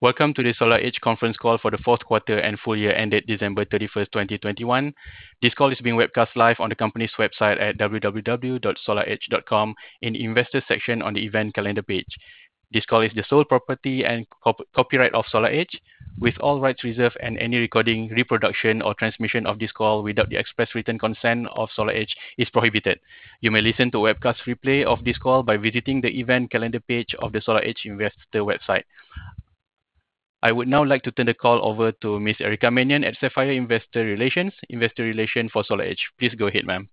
Welcome to the SolarEdge conference call for the fourth quarter and full year ended December 31st, 2021. This call is being webcast live on the company's website at www.solaredge.com in the Investors section on the Event Calendar page. This call is the sole property and copyright of SolarEdge, with all rights reserved, and any recording, reproduction or transmission of this call without the express written consent of SolarEdge is prohibited. You may listen to a webcast replay of this call by visiting the Event Calendar page of the SolarEdge investor website. I would now like to turn the call over to Ms. Erica Mannion at Sapphire Investor Relations, Investor Relations for SolarEdge. Please go ahead, ma'am.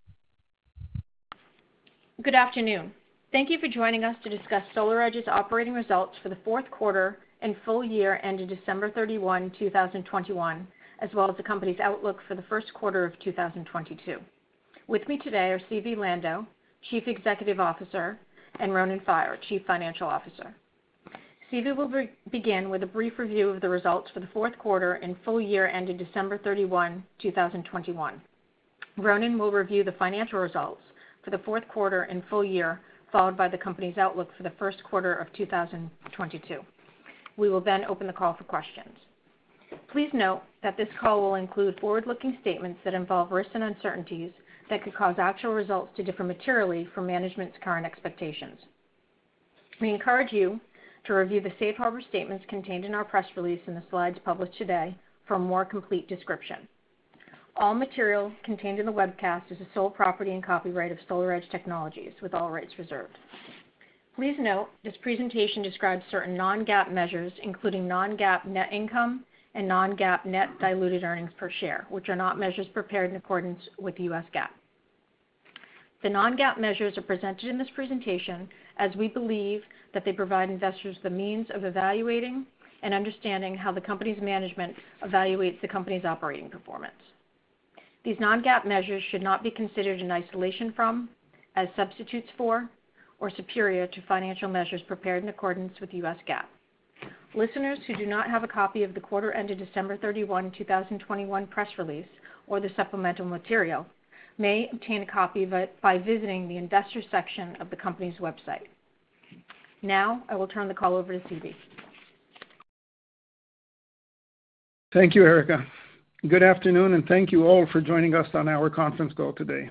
Good afternoon. Thank you for joining us to discuss SolarEdge's operating results for the fourth quarter and full year ended December 31, 2021, as well as the company's outlook for the first quarter of 2022. With me today are Zvi Lando, Chief Executive Officer, and Ronen Faier, Chief Financial Officer. Zvi will begin with a brief review of the results for the fourth quarter and full year ended December 31, 2021. Ronen will review the financial results for the fourth quarter and full year, followed by the company's outlook for the first quarter of 2022. We will then open the call for questions. Please note that this call will include forward-looking statements that involve risks and uncertainties that could cause actual results to differ materially from management's current expectations. We encourage you to review the safe harbor statements contained in our press release and the slides published today for a more complete description. All material contained in the webcast is the sole property and copyright of SolarEdge Technologies, with all rights reserved. Please note, this presentation describes certain non-GAAP measures, including non-GAAP net income and non-GAAP net diluted earnings per share, which are not measures prepared in accordance with U.S. GAAP. The non-GAAP measures are presented in this presentation, as we believe that they provide investors the means of evaluating and understanding how the company's management evaluates the company's operating performance. These non-GAAP measures should not be considered in isolation from, as substitutes for, or superior to financial measures prepared in accordance with U.S. GAAP. Listeners who do not have a copy of the quarter ended December 31, 2021 press release or the supplemental material may obtain a copy of it by visiting the investors section of the company's website. Now, I will turn the call over to Zvi. Thank you, Erica. Good afternoon, and thank you all for joining us on our conference call today.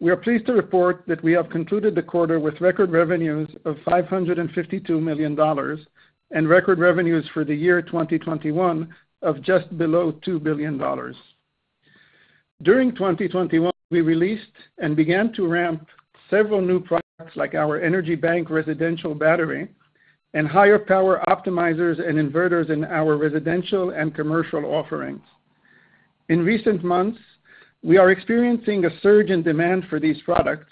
We are pleased to report that we have concluded the quarter with record revenues of $552 million, and record revenues for the year 2021 of just below $2 billion. During 2021, we released and began to ramp several new products, like our Energy Bank residential battery and higher power optimizers and inverters in our residential and commercial offerings. In recent months, we are experiencing a surge in demand for these products,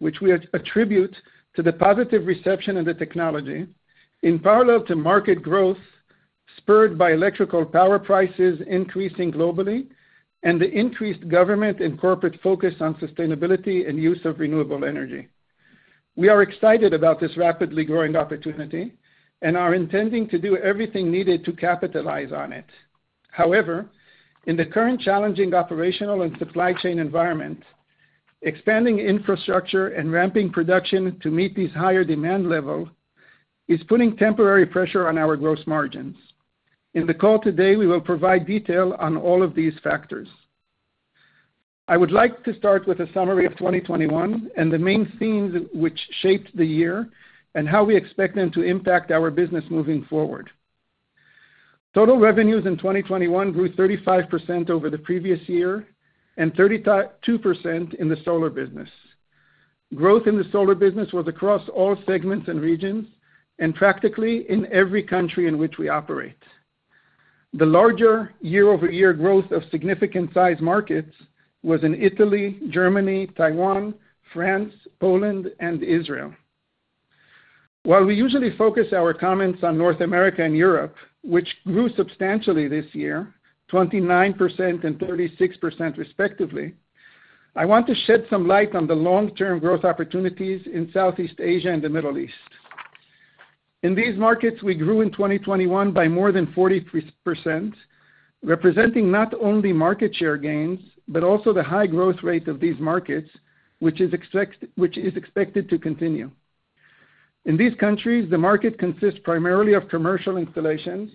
which we attribute to the positive reception of the technology in parallel to market growth, spurred by electrical power prices increasing globally and the increased government and corporate focus on sustainability and use of renewable energy. We are excited about this rapidly growing opportunity and are intending to do everything needed to capitalize on it. However, in the current challenging operational and supply chain environment, expanding infrastructure and ramping production to meet these higher demand level is putting temporary pressure on our gross margins. In the call today, we will provide detail on all of these factors. I would like to start with a summary of 2021 and the main themes which shaped the year and how we expect them to impact our business moving forward. Total revenues in 2021 grew 35% over the previous year and 32% in the solar business. Growth in the solar business was across all segments and regions and practically in every country in which we operate. The larger year-over-year growth of significant size markets was in Italy, Germany, Taiwan, France, Poland, and Israel. While we usually focus our comments on North America and Europe, which grew substantially this year, 29% and 36% respectively, I want to shed some light on the long-term growth opportunities in Southeast Asia and the Middle East. In these markets, we grew in 2021 by more than 43%, representing not only market share gains, but also the high growth rate of these markets, which is expected to continue. In these countries, the market consists primarily of commercial installations,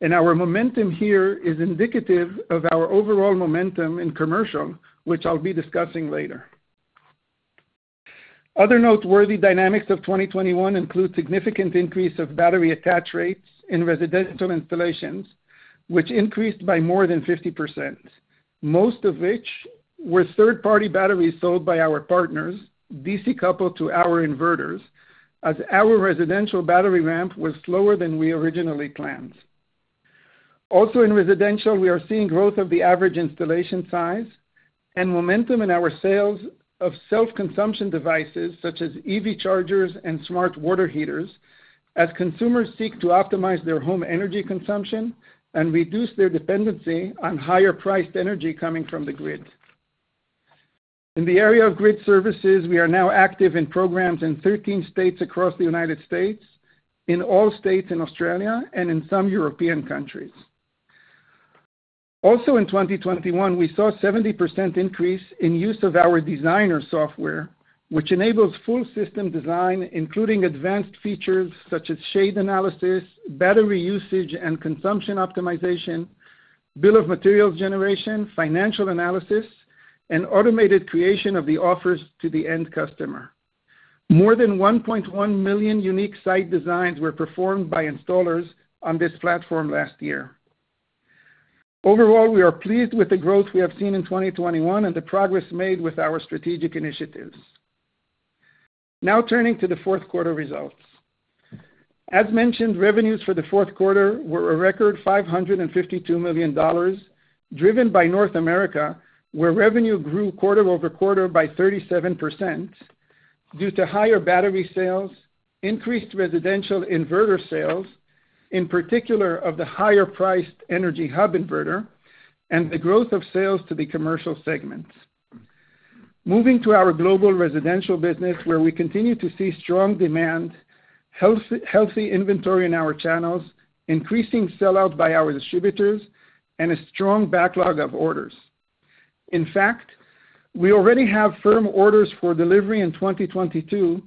and our momentum here is indicative of our overall momentum in commercial, which I'll be discussing later. Other noteworthy dynamics of 2021 include significant increase of battery attach rates in residential installations, which increased by more than 50%, most of which were third-party batteries sold by our partners, DC-coupled to our inverters, as our residential battery ramp was slower than we originally planned. Also in residential, we are seeing growth of the average installation size and momentum in our sales of self-consumption devices such as EV Chargers and smart water heaters as consumers seek to optimize their home energy consumption and reduce their dependency on higher-priced energy coming from the grid. In the area of grid services, we are now active in programs in 13 states across the United States, in all states in Australia, and in some European countries. Also in 2021, we saw 70% increase in use of our Designer software, which enables full system design, including advanced features such as shade analysis, battery usage and consumption optimization, bill of materials generation, financial analysis, and automated creation of the offers to the end customer. More than 1.1 million unique site designs were performed by installers on this platform last year. Overall, we are pleased with the growth we have seen in 2021 and the progress made with our strategic initiatives. Now turning to the fourth quarter results. As mentioned, revenues for the fourth quarter were a record $552 million, driven by North America, where revenue grew quarter-over-quarter by 37% due to higher battery sales, increased residential inverter sales, in particular of the higher-priced Energy Hub inverter, and the growth of sales to the commercial segments. Moving to our global residential business, where we continue to see strong demand, healthy inventory in our channels, increasing sell-out by our distributors, and a strong backlog of orders. In fact, we already have firm orders for delivery in 2022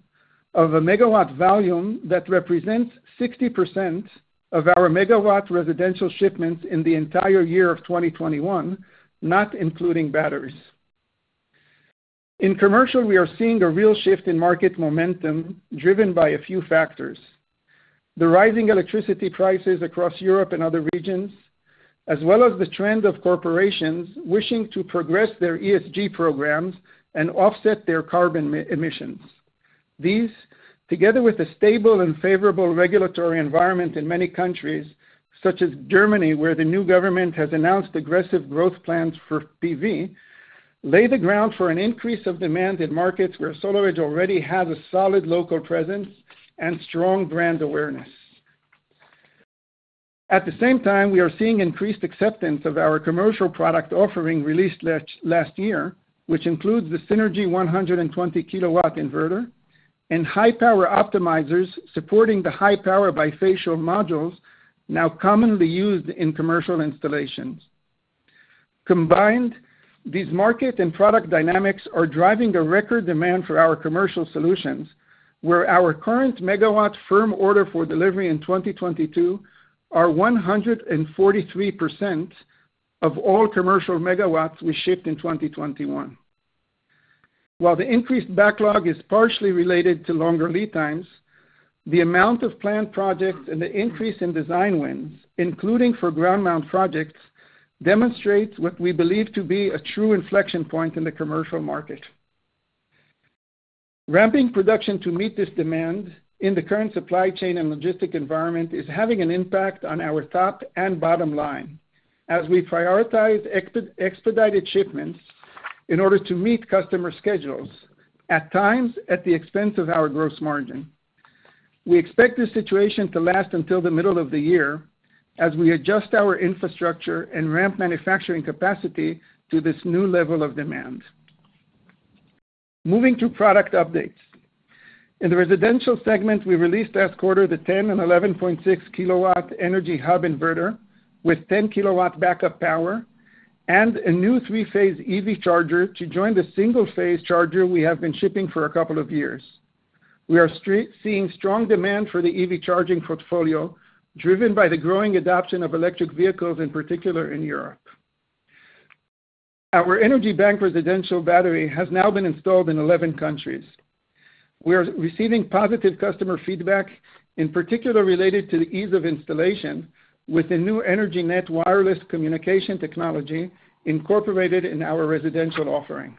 of a megawatt volume that represents 60% of our megawatt residential shipments in the entire year of 2021, not including batteries. In commercial, we are seeing a real shift in market momentum, driven by a few factors. The rising electricity prices across Europe and other regions, as well as the trend of corporations wishing to progress their ESG programs and offset their carbon emissions. These, together with a stable and favorable regulatory environment in many countries, such as Germany, where the new government has announced aggressive growth plans for PV, lay the ground for an increase of demand in markets where SolarEdge already has a solid local presence and strong brand awareness. At the same time, we are seeing increased acceptance of our commercial product offering released last year, which includes the Synergy 120 kW inverter and high-power optimizers supporting the high-power bifacial modules now commonly used in commercial installations. Combined, these market and product dynamics are driving a record demand for our commercial solutions, where our current megawatt firm order for delivery in 2022 are 143% of all commercial megawatts we shipped in 2021. While the increased backlog is partially related to longer lead times, the amount of planned projects and the increase in design wins, including for ground mount projects, demonstrates what we believe to be a true inflection point in the commercial market. Ramping production to meet this demand in the current supply chain and logistics environment is having an impact on our top and bottom line as we prioritize expedited shipments in order to meet customer schedules, at times, at the expense of our gross margin. We expect this situation to last until the middle of the year as we adjust our infrastructure and ramp manufacturing capacity to this new level of demand. Moving to product updates. In the residential segment, we released last quarter the 10 and 11.6-kW Energy Hub inverter with 10-kW backup power and a new three-phase EV charger to join the single-phase charger we have been shipping for a couple of years. We are seeing strong demand for the EV charging portfolio, driven by the growing adoption of electric vehicles, in particular in Europe. Our Energy Bank residential battery has now been installed in 11 countries. We are receiving positive customer feedback, in particular related to the ease of installation with the new Energy Net wireless communication technology incorporated in our residential offering.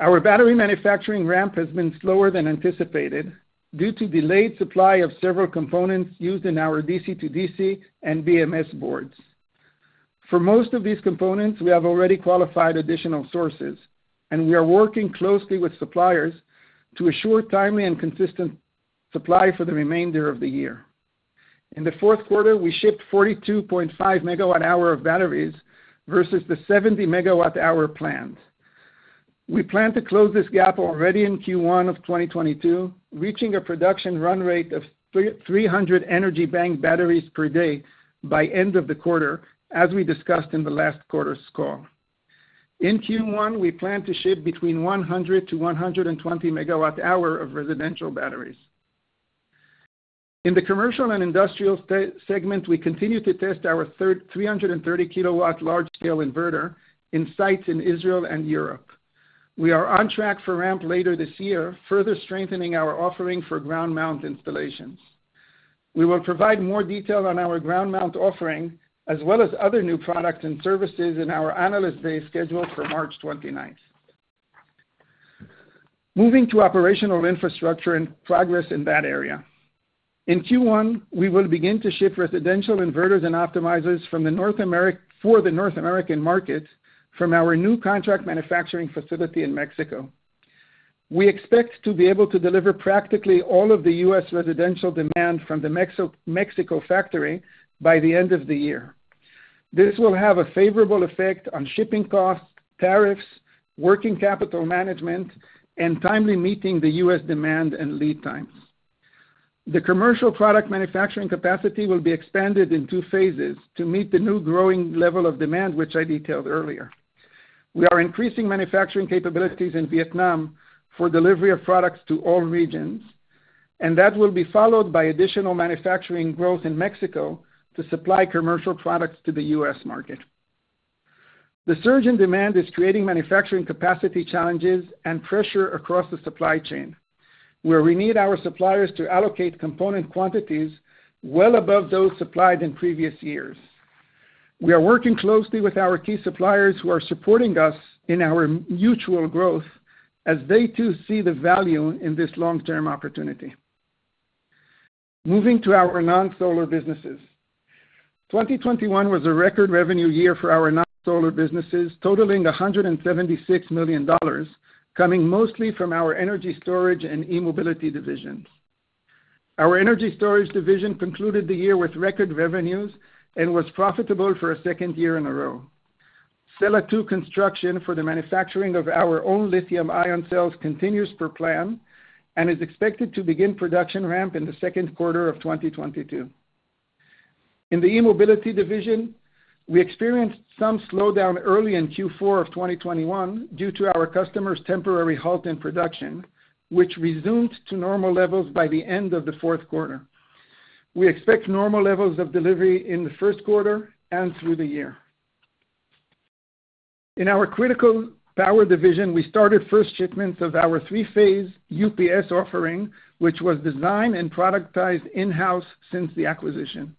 Our battery manufacturing ramp has been slower than anticipated due to delayed supply of several components used in our DC-to-DC and BMS boards. For most of these components, we have already qualified additional sources, and we are working closely with suppliers to assure timely and consistent supply for the remainder of the year. In the fourth quarter, we shipped 42.5 MWh of batteries versus the 70 MWh planned. We plan to close this gap already in Q1 of 2022, reaching a production run rate of 300 Energy Bank batteries per day by end of the quarter, as we discussed in the last quarter's call. In Q1, we plan to ship between 100-120 MWh of residential batteries. In the commercial and industrial segment, we continue to test our 330 kW large-scale inverter in sites in Israel and Europe. We are on track for ramp later this year, further strengthening our offering for ground mount installations. We will provide more detail on our ground mount offering, as well as other new products and services in our Analyst Day scheduled for March 29. Moving to operational infrastructure and progress in that area. In Q1, we will begin to ship residential inverters and optimizers for the North American market from our new contract manufacturing facility in Mexico. We expect to be able to deliver practically all of the U.S. residential demand from the Mexico factory by the end of the year. This will have a favorable effect on shipping costs, tariffs, working capital management, and timely meeting the U.S. demand and lead times. The commercial product manufacturing capacity will be expanded in two phases to meet the new growing level of demand, which I detailed earlier. We are increasing manufacturing capabilities in Vietnam for delivery of products to all regions, and that will be followed by additional manufacturing growth in Mexico to supply commercial products to the U.S. market. The surge in demand is creating manufacturing capacity challenges and pressure across the supply chain, where we need our suppliers to allocate component quantities well above those supplied in previous years. We are working closely with our key suppliers who are supporting us in our mutual growth as they too see the value in this long-term opportunity. Moving to our non-solar businesses. 2021 was a record revenue year for our non-solar businesses, totaling $176 million, coming mostly from our energy storage and e-mobility divisions. Our energy storage division concluded the year with record revenues and was profitable for a second year in a row. Sella 2 construction for the manufacturing of our own lithium-ion cells continues per plan and is expected to begin production ramp in the second quarter of 2022. In the e-mobility division, we experienced some slowdown early in Q4 of 2021 due to our customers' temporary halt in production, which resumed to normal levels by the end of the fourth quarter. We expect normal levels of delivery in the first quarter and through the year. In our critical power division, we started first shipments of our three-phase UPS offering, which was designed and productized in-house since the acquisition.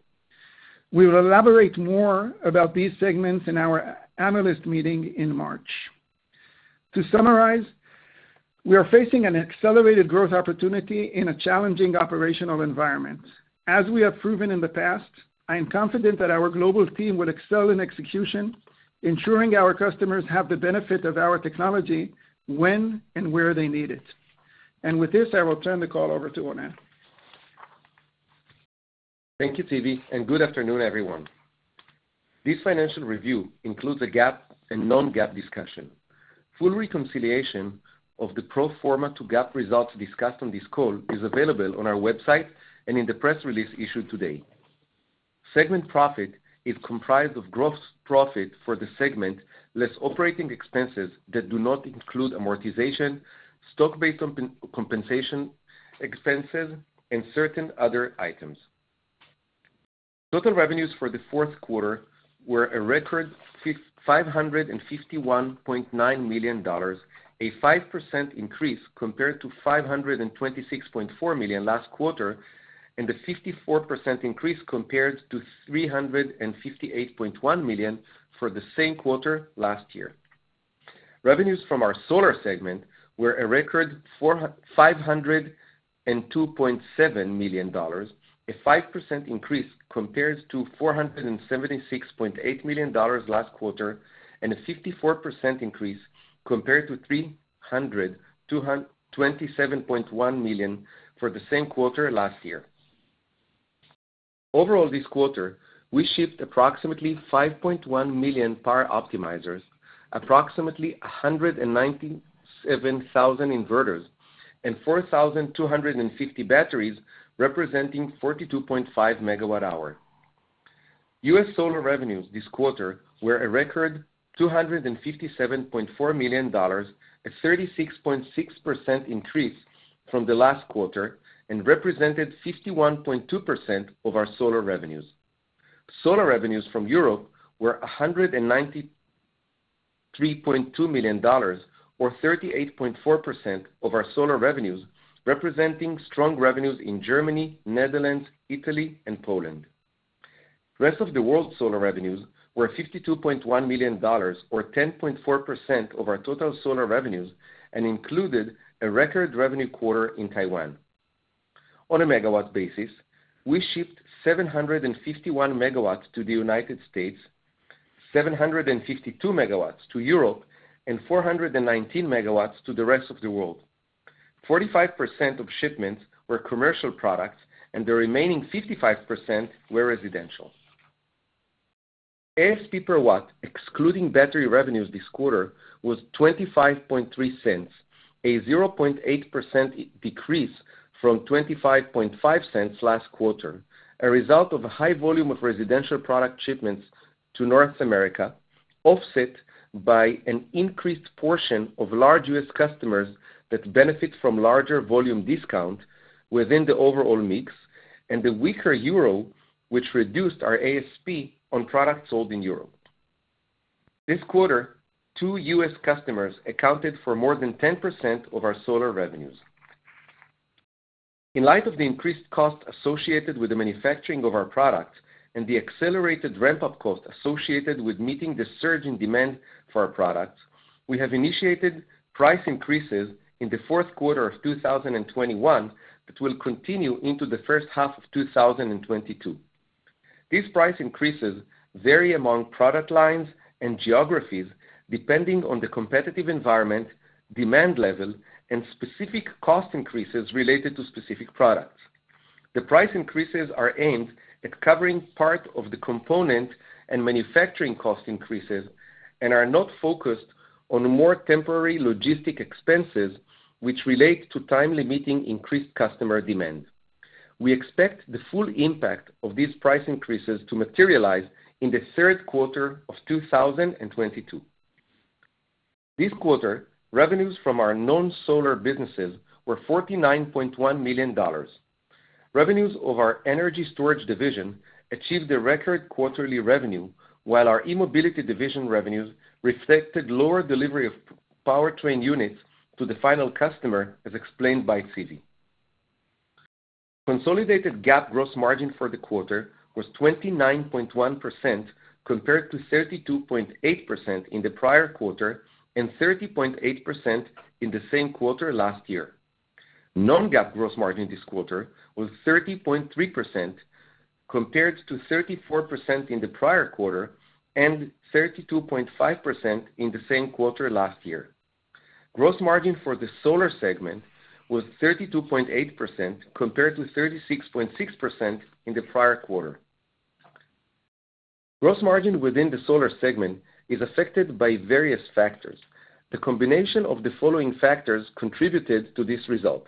We will elaborate more about these segments in our analyst meeting in March. To summarize, we are facing an accelerated growth opportunity in a challenging operational environment. As we have proven in the past, I am confident that our global team will excel in execution, ensuring our customers have the benefit of our technology when and where they need it. With this, I will turn the call over to Ronen. Thank you, Zvi, and good afternoon, everyone. This financial review includes a GAAP and non-GAAP discussion. Full reconciliation of the pro forma to GAAP results discussed on this call is available on our website and in the press release issued today. Segment profit is comprised of gross profit for the segment, less operating expenses that do not include amortization, stock-based compensation expenses, and certain other items. Total revenues for the fourth quarter were a record $551.9 million, a 5% increase compared to $526.4 million last quarter, and a 54% increase compared to $358.1 million for the same quarter last year. Revenues from our solar segment were a record $502.7 million, a 5% increase compared to $476.8 million last quarter, and a 54% increase compared to $327.1 million for the same quarter last year. Overall, this quarter, we shipped approximately 5.1 million power optimizers, approximately 197,000 inverters, and 4,250 batteries representing 42.5 MWh. U.S. solar revenues this quarter were a record $257.4 million, a 36.6% increase from the last quarter and represented 51.2% of our solar revenues. Solar revenues from Europe were $193.2 million or 38.4% of our solar revenues, representing strong revenues in Germany, Netherlands, Italy, and Poland. Rest of the world solar revenues were $52.1 million or 10.4% of our total solar revenues, and included a record revenue quarter in Taiwan. On a megawatt basis, we shipped 751 MW to the United States, 752 MW to Europe, and 419 MW to the rest of the world. 45% of shipments were commercial products, and the remaining 55% were residential. ASP per watt, excluding battery revenues this quarter, was $0.253, a 0.8% decrease from $0.255 last quarter, a result of a high volume of residential product shipments to North America, offset by an increased portion of large U.S. customers that benefit from larger volume discount within the overall mix, and the weaker euro, which reduced our ASP on products sold in Europe. This quarter, two U.S. customers accounted for more than 10% of our solar revenues. In light of the increased cost associated with the manufacturing of our products and the accelerated ramp-up cost associated with meeting the surge in demand for our products, we have initiated price increases in the fourth quarter of 2021 that will continue into the first half of 2022. These price increases vary among product lines and geographies depending on the competitive environment, demand level, and specific cost increases related to specific products. The price increases are aimed at covering part of the component and manufacturing cost increases and are not focused on more temporary logistic expenses which relate to timely meeting increased customer demand. We expect the full impact of these price increases to materialize in the third quarter of 2022. This quarter, revenues from our non-solar businesses were $49.1 million. Revenues of our energy storage division achieved the record quarterly revenue, while our e-mobility division revenues reflected lower delivery of powertrain units to the final customer, as explained by Zvi. Consolidated GAAP gross margin for the quarter was 29.1% compared to 32.8% in the prior quarter and 30.8% in the same quarter last year. non-GAAP gross margin this quarter was 30.3% compared to 34% in the prior quarter and 32.5% in the same quarter last year. Gross margin for the solar segment was 32.8% compared to 36.6% in the prior quarter. Gross margin within the solar segment is affected by various factors. The combination of the following factors contributed to this result.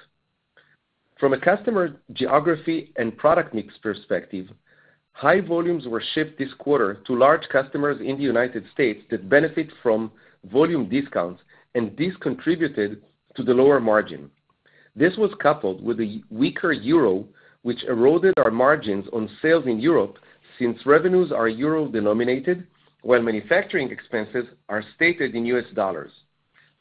From a customer geography and product mix perspective, high volumes were shipped this quarter to large customers in the United States that benefit from volume discounts, and this contributed to the lower margin. This was coupled with a weaker euro, which eroded our margins on sales in Europe since revenues are euro-denominated while manufacturing expenses are stated in U.S. dollars.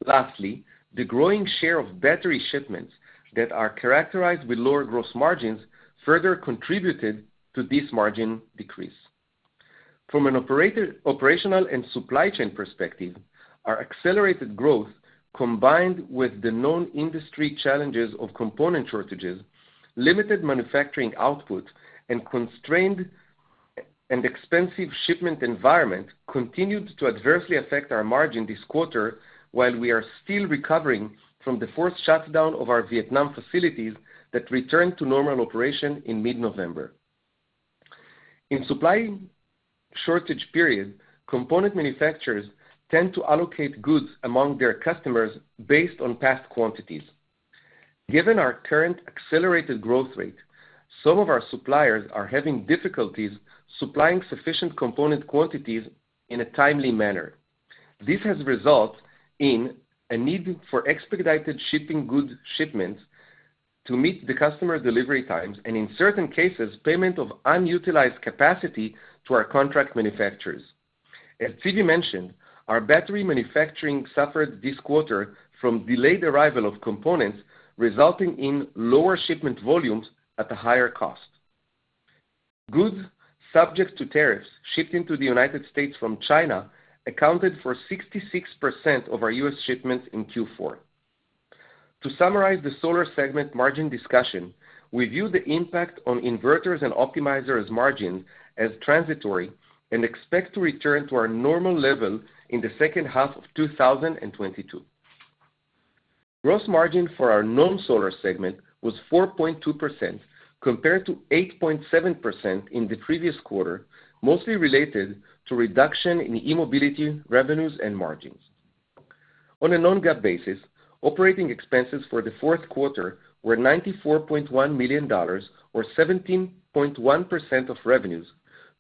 Lastly, the growing share of battery shipments that are characterized with lower gross margins further contributed to this margin decrease. From an operational and supply chain perspective, our accelerated growth, combined with the known industry challenges of component shortages, limited manufacturing output, and constrained and expensive shipment environment, continued to adversely affect our margin this quarter while we are still recovering from the forced shutdown of our Vietnam facilities that returned to normal operation in mid-November. In supply shortage period, component manufacturers tend to allocate goods among their customers based on past quantities. Given our current accelerated growth rate, some of our suppliers are having difficulties supplying sufficient component quantities in a timely manner. This has resulted in a need for expedited shipping, goods shipments to meet the customer delivery times, and in certain cases, payment of unutilized capacity to our contract manufacturers. As Zvi mentioned, our battery manufacturing suffered this quarter from delayed arrival of components, resulting in lower shipment volumes at a higher cost. Goods subject to tariffs shipped into the United States from China accounted for 66% of our U.S. shipments in Q4. To summarize the solar segment margin discussion, we view the impact on inverters and optimizers margin as transitory and expect to return to our normal level in the second half of 2022. Gross margin for our non-solar segment was 4.2% compared to 8.7% in the previous quarter, mostly related to reduction in e-mobility revenues and margins. On a non-GAAP basis, operating expenses for the fourth quarter were $94.1 million or 17.1% of revenues,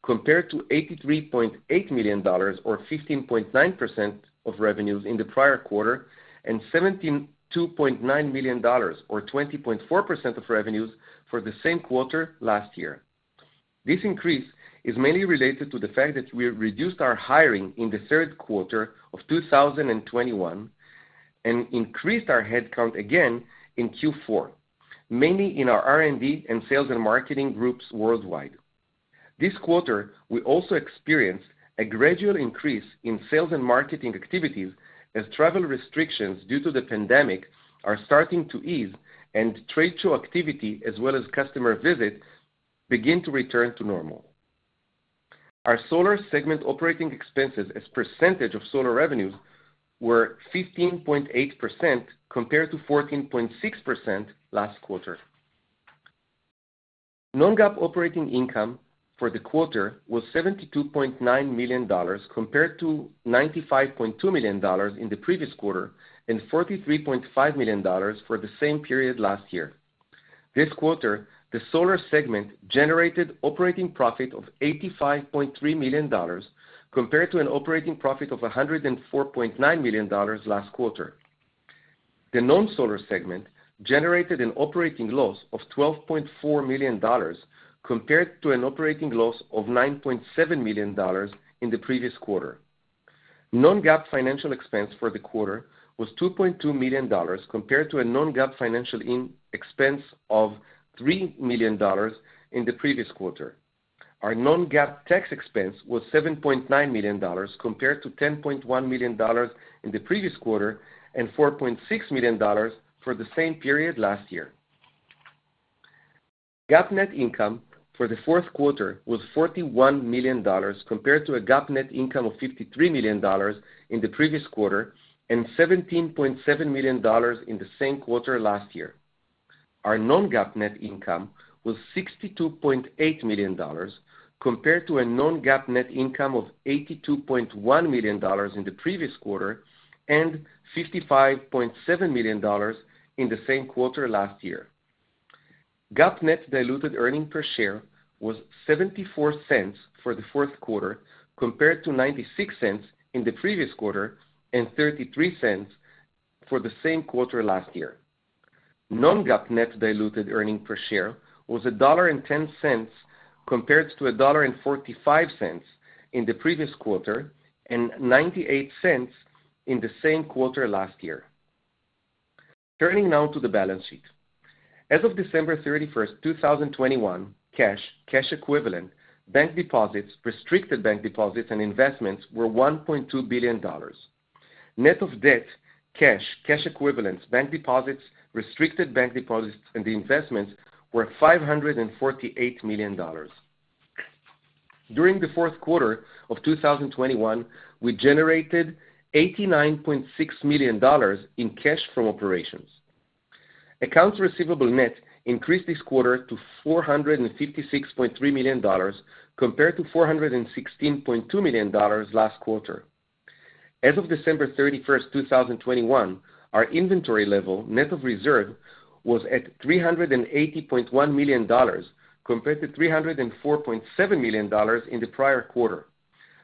compared to $83.8 million or 15.9% of revenues in the prior quarter and $72.9 million or 20.4% of revenues for the same quarter last year. This increase is mainly related to the fact that we reduced our hiring in the third quarter of 2021 and increased our headcount again in Q4, mainly in our R&D and sales and marketing groups worldwide. This quarter, we also experienced a gradual increase in sales and marketing activities as travel restrictions due to the pandemic are starting to ease and trade show activity, as well as customer visits begin to return to normal. Our solar segment operating expenses as percentage of solar revenues were 15.8% compared to 14.6% last quarter. Non-GAAP operating income for the quarter was $72.9 million, compared to $95.2 million in the previous quarter and $43.5 million for the same period last year. This quarter, the solar segment generated operating profit of $85.3 million, compared to an operating profit of $104.9 million last quarter. The non-solar segment generated an operating loss of $12.4 million compared to an operating loss of $9.7 million in the previous quarter. Non-GAAP financial expense for the quarter was $2.2 million, compared to a non-GAAP financial expense of $3 million in the previous quarter. Our non-GAAP tax expense was $7.9 million, compared to $10.1 million in the previous quarter and $4.6 million for the same period last year. GAAP net income for the fourth quarter was $41 million, compared to a GAAP net income of $53 million in the previous quarter and $17.7 million in the same quarter last year. Our non-GAAP net income was $62.8 million compared to a non-GAAP net income of $82.1 million in the previous quarter and $55.7 million in the same quarter last year. GAAP net diluted earnings per share was $0.74 for the fourth quarter, compared to $0.96 in the previous quarter and $0.33 for the same quarter last year. Non-GAAP net diluted earnings per share was $1.10, compared to $1.45 in the previous quarter, and $0.98 in the same quarter last year. Turning now to the balance sheet. As of December 31st, 2021, cash and cash equivalents, bank deposits, restricted bank deposits and investments were $1.2 billion. Net of debt, cash and cash equivalents, bank deposits, restricted bank deposits and the investments were $548 million. During the fourth quarter of 2021, we generated $89.6 million in cash from operations. Accounts receivable net increased this quarter to $456.3 million compared to $416.2 million last quarter. As of December 31st, 2021, our inventory level, net of reserve, was at $380.1 million compared to $304.7 million in the prior quarter.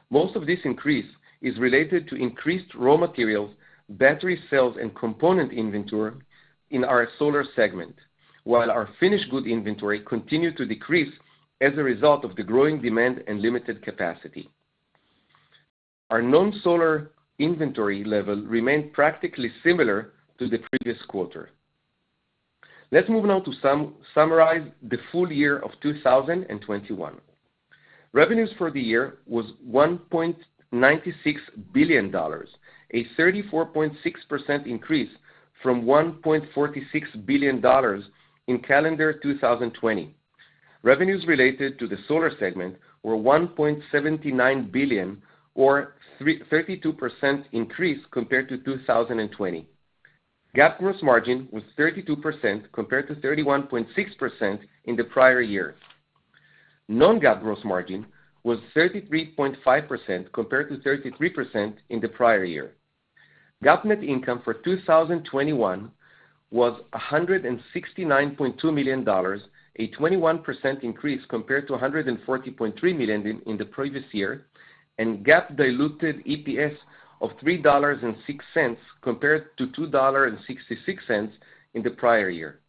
Most of this increase is related to increased raw materials, battery cells and component inventory in our solar segment, while our finished good inventory continued to decrease as a result of the growing demand and limited capacity. Our non-solar inventory level remained practically similar to the previous quarter. Let's move now to summarize the full year of 2021. Revenues for the year was $1.96 billion, a 34.6% increase from $1.46 billion in calendar 2020. Revenues related to the solar segment were $1.79 billion or 32% increase compared to 2020. GAAP gross margin was 32% compared to 31.6% in the prior year. Non-GAAP gross margin was 33.5% compared to 33% in the prior year. GAAP net income for 2021 was $169.2 million, a 21% increase compared to $140.3 million in the previous year, and GAAP diluted EPS of $3.06 compared to $2.66 in the prior year.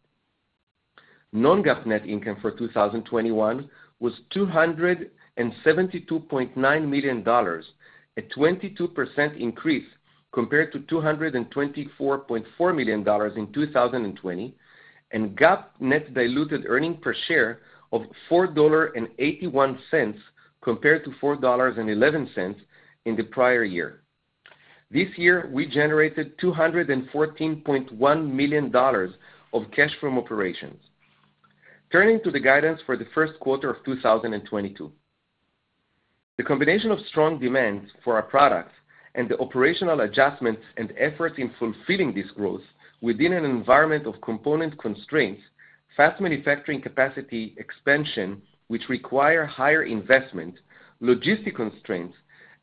Non-GAAP net income for 2021 was $272.9 million, a 22% increase compared to $224.4 million in 2020, and GAAP net diluted earnings per share of $4.81 compared to $4.11 in the prior year. This year, we generated $214.1 million of cash from operations. Turning to the guidance for the first quarter of 2022. The combination of strong demand for our products and the operational adjustments and efforts in fulfilling this growth within an environment of component constraints, fast manufacturing capacity expansion which require higher investment, logistic constraints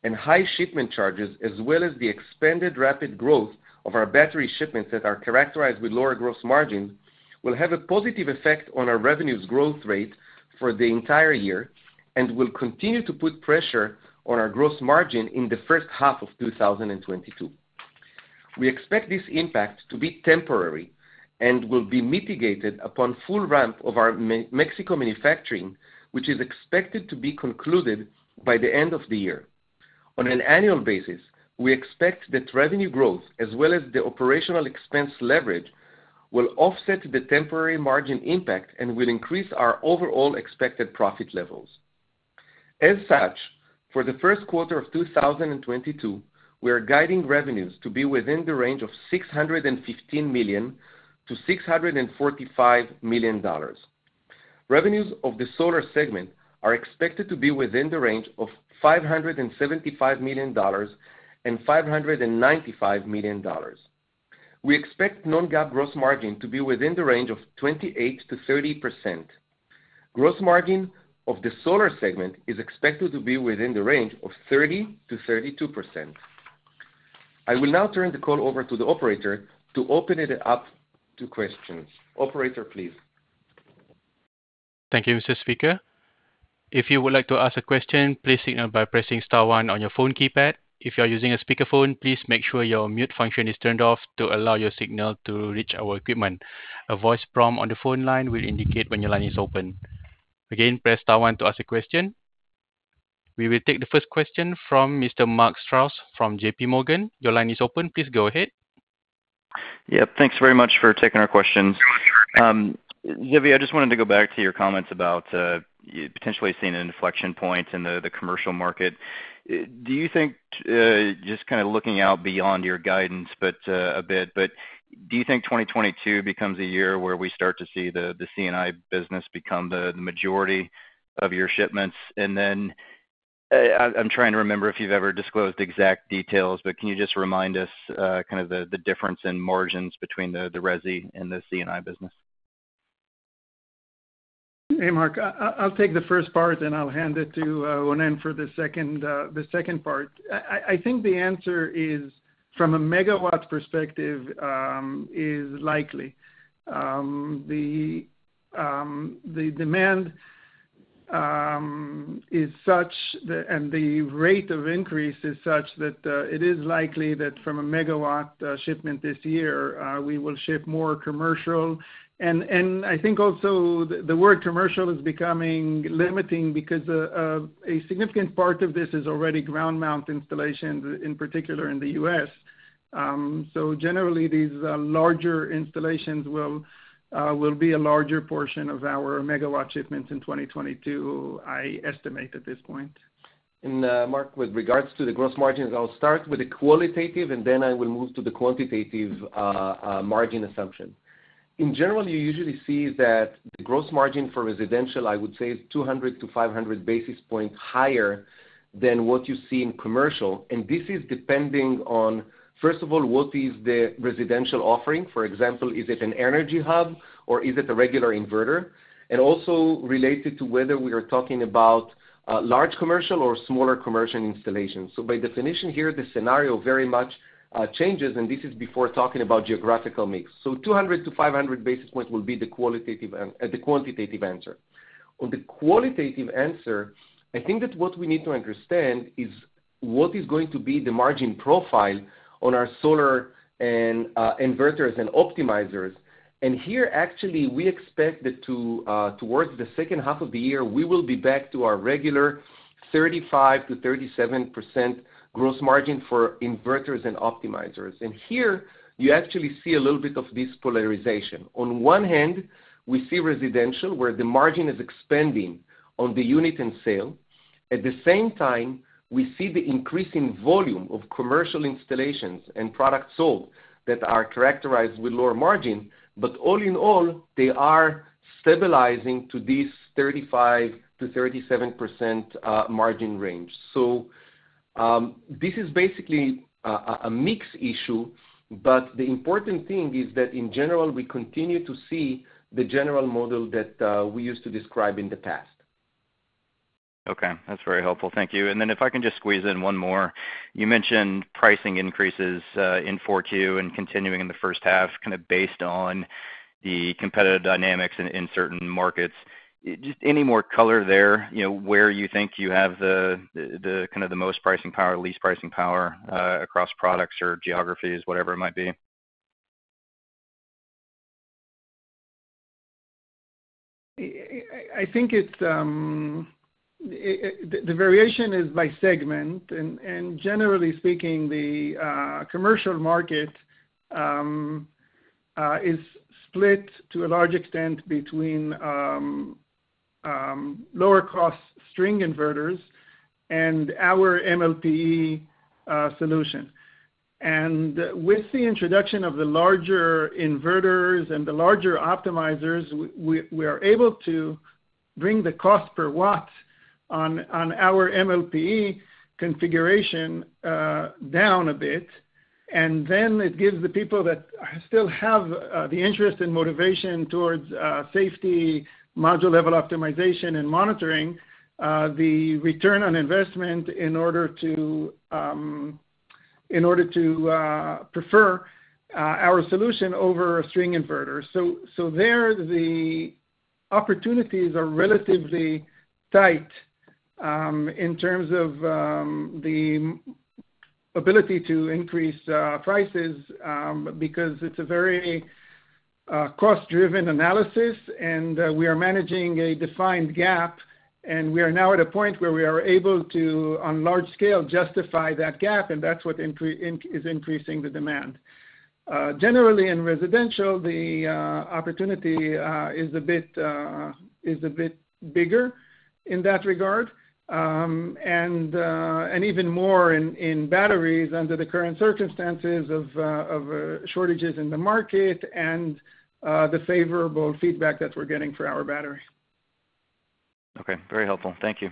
and high shipment charges, as well as the expanded rapid growth of our battery shipments that are characterized with lower gross margin, will have a positive effect on our revenues growth rate for the entire year and will continue to put pressure on our gross margin in the first half of 2022. We expect this impact to be temporary and will be mitigated upon full ramp of our Mexico manufacturing, which is expected to be concluded by the end of the year. On an annual basis, we expect that revenue growth as well as the operational expense leverage will offset the temporary margin impact and will increase our overall expected profit levels. As such, for the first quarter of 2022, we are guiding revenues to be within the range of $615 million-$645 million. Revenues of the solar segment are expected to be within the range of $575 million-$595 million. We expect non-GAAP gross margin to be within the range of 28%-30%. Gross margin of the solar segment is expected to be within the range of 30%-32%. I will now turn the call over to the operator to open it up to questions. Operator, please. Thank you, Mr. Speaker. If you would like to ask a question, please signal by pressing star one on your phone keypad. If you are using a speakerphone, please make sure your mute function is turned off to allow your signal to reach our equipment. A voice prompt on the phone line will indicate when your line is open. Again, press star one to ask a question. We will take the first question from Mr. Mark Strouse from JPMorgan. Your line is open. Please go ahead. Yeah. Thanks very much for taking our questions. Zvi, I just wanted to go back to your comments about potentially seeing an inflection point in the commercial market. Do you think just kinda looking out beyond your guidance, but a bit, but do you think 2022 becomes a year where we start to see the C&I business become the majority of your shipments? And then- I'm trying to remember if you've ever disclosed exact details, but can you just remind us kind of the difference in margins between the resi and the C&I business? Hey, Mark. I'll take the first part, and I'll hand it to Ronen for the second part. I think the answer is from a megawatt perspective is likely. The demand is such and the rate of increase is such that it is likely that from a megawatt shipment this year we will ship more commercial. I think also the word commercial is becoming limiting because a significant part of this is already ground mount installations, in particular in the U.S. Generally, these larger installations will be a larger portion of our megawatt shipments in 2022, I estimate at this point. Mark, with regards to the gross margins, I'll start with the qualitative, and then I will move to the quantitative, margin assumption. In general, you usually see that the gross margin for residential, I would say is 200-500 basis points higher than what you see in commercial. This is depending on, first of all, what is the residential offering? For example, is it an Energy Hub or is it a regular inverter? Also related to whether we are talking about large commercial or smaller commercial installations. By definition here, the scenario very much changes, and this is before talking about geographical mix. 200-500 basis points will be the qualitative, the quantitative answer. On the qualitative answer, I think that what we need to understand is what is going to be the margin profile on our solar and inverters and optimizers. Here, actually, we expect that towards the second half of the year, we will be back to our regular 35%-37% gross margin for inverters and optimizers. Here you actually see a little bit of this polarization. On one hand, we see residential, where the margin is expanding on the unit and sale. At the same time, we see the increasing volume of commercial installations and products sold that are characterized with lower margin. All in all, they are stabilizing to this 35%-37% margin range. This is basically a mix issue, but the important thing is that in general, we continue to see the general model that we used to describe in the past. Okay. That's very helpful. Thank you. If I can just squeeze in one more. You mentioned pricing increases in Q2 and continuing in the first half, kind of based on the competitive dynamics in certain markets. Just any more color there, you know, where you think you have the kind of most pricing power, least pricing power, across products or geographies, whatever it might be? I think it's the variation is by segment and generally speaking the commercial market is split to a large extent between lower cost string inverters and our MLPE solution. With the introduction of the larger inverters and the larger optimizers, we are able to bring the cost per watt on our MLPE configuration down a bit, and then it gives the people that still have the interest and motivation towards safety, module-level optimization and monitoring the return on investment in order to prefer our solution over a string inverter. There, the opportunities are relatively tight in terms of the ability to increase prices because it's a very cost-driven analysis, and we are managing a defined gap, and we are now at a point where we are able to, on large scale, justify that gap, and that's what is increasing the demand. Generally in residential, the opportunity is a bit bigger in that regard, and even more in batteries under the current circumstances of shortages in the market and the favorable feedback that we're getting for our batteries. Okay. Very helpful. Thank you.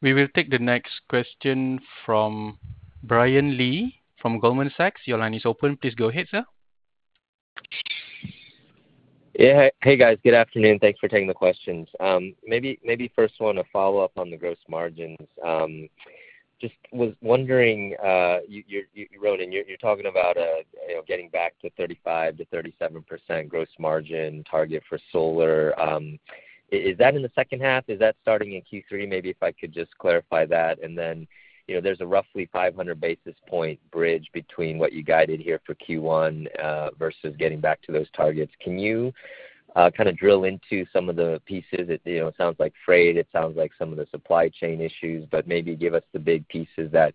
We will take the next question from Brian Lee from Goldman Sachs. Your line is open. Please go ahead, sir. Yeah. Hey, guys. Good afternoon. Thanks for taking the questions. Maybe first wanna follow up on the gross margins. I was just wondering, you wrote and you're talking about, you know, getting back to 35%-37% gross margin target for solar. Is that in the second half? Is that starting in Q3? Maybe if I could just clarify that. You know, there's a roughly 500 basis points bridge between what you guided here for Q1 versus getting back to those targets. Can you kind of drill into some of the pieces that, you know, it sounds like freight, it sounds like some of the supply chain issues, but maybe give us the big pieces that,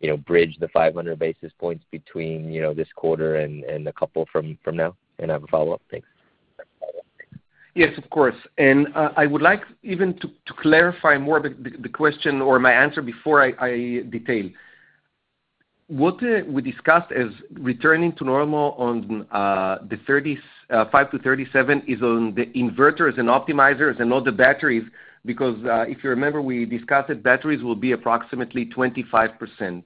you know, bridge the 500 basis points between, you know, this quarter and the couple from now? I have a follow-up. Thanks. Yes, of course. I would like even to clarify more the question or my answer before I detail. What we discussed as returning to normal on the 35-37% is on the inverters and optimizers and not the batteries, because if you remember, we discussed that batteries will be approximately 25%.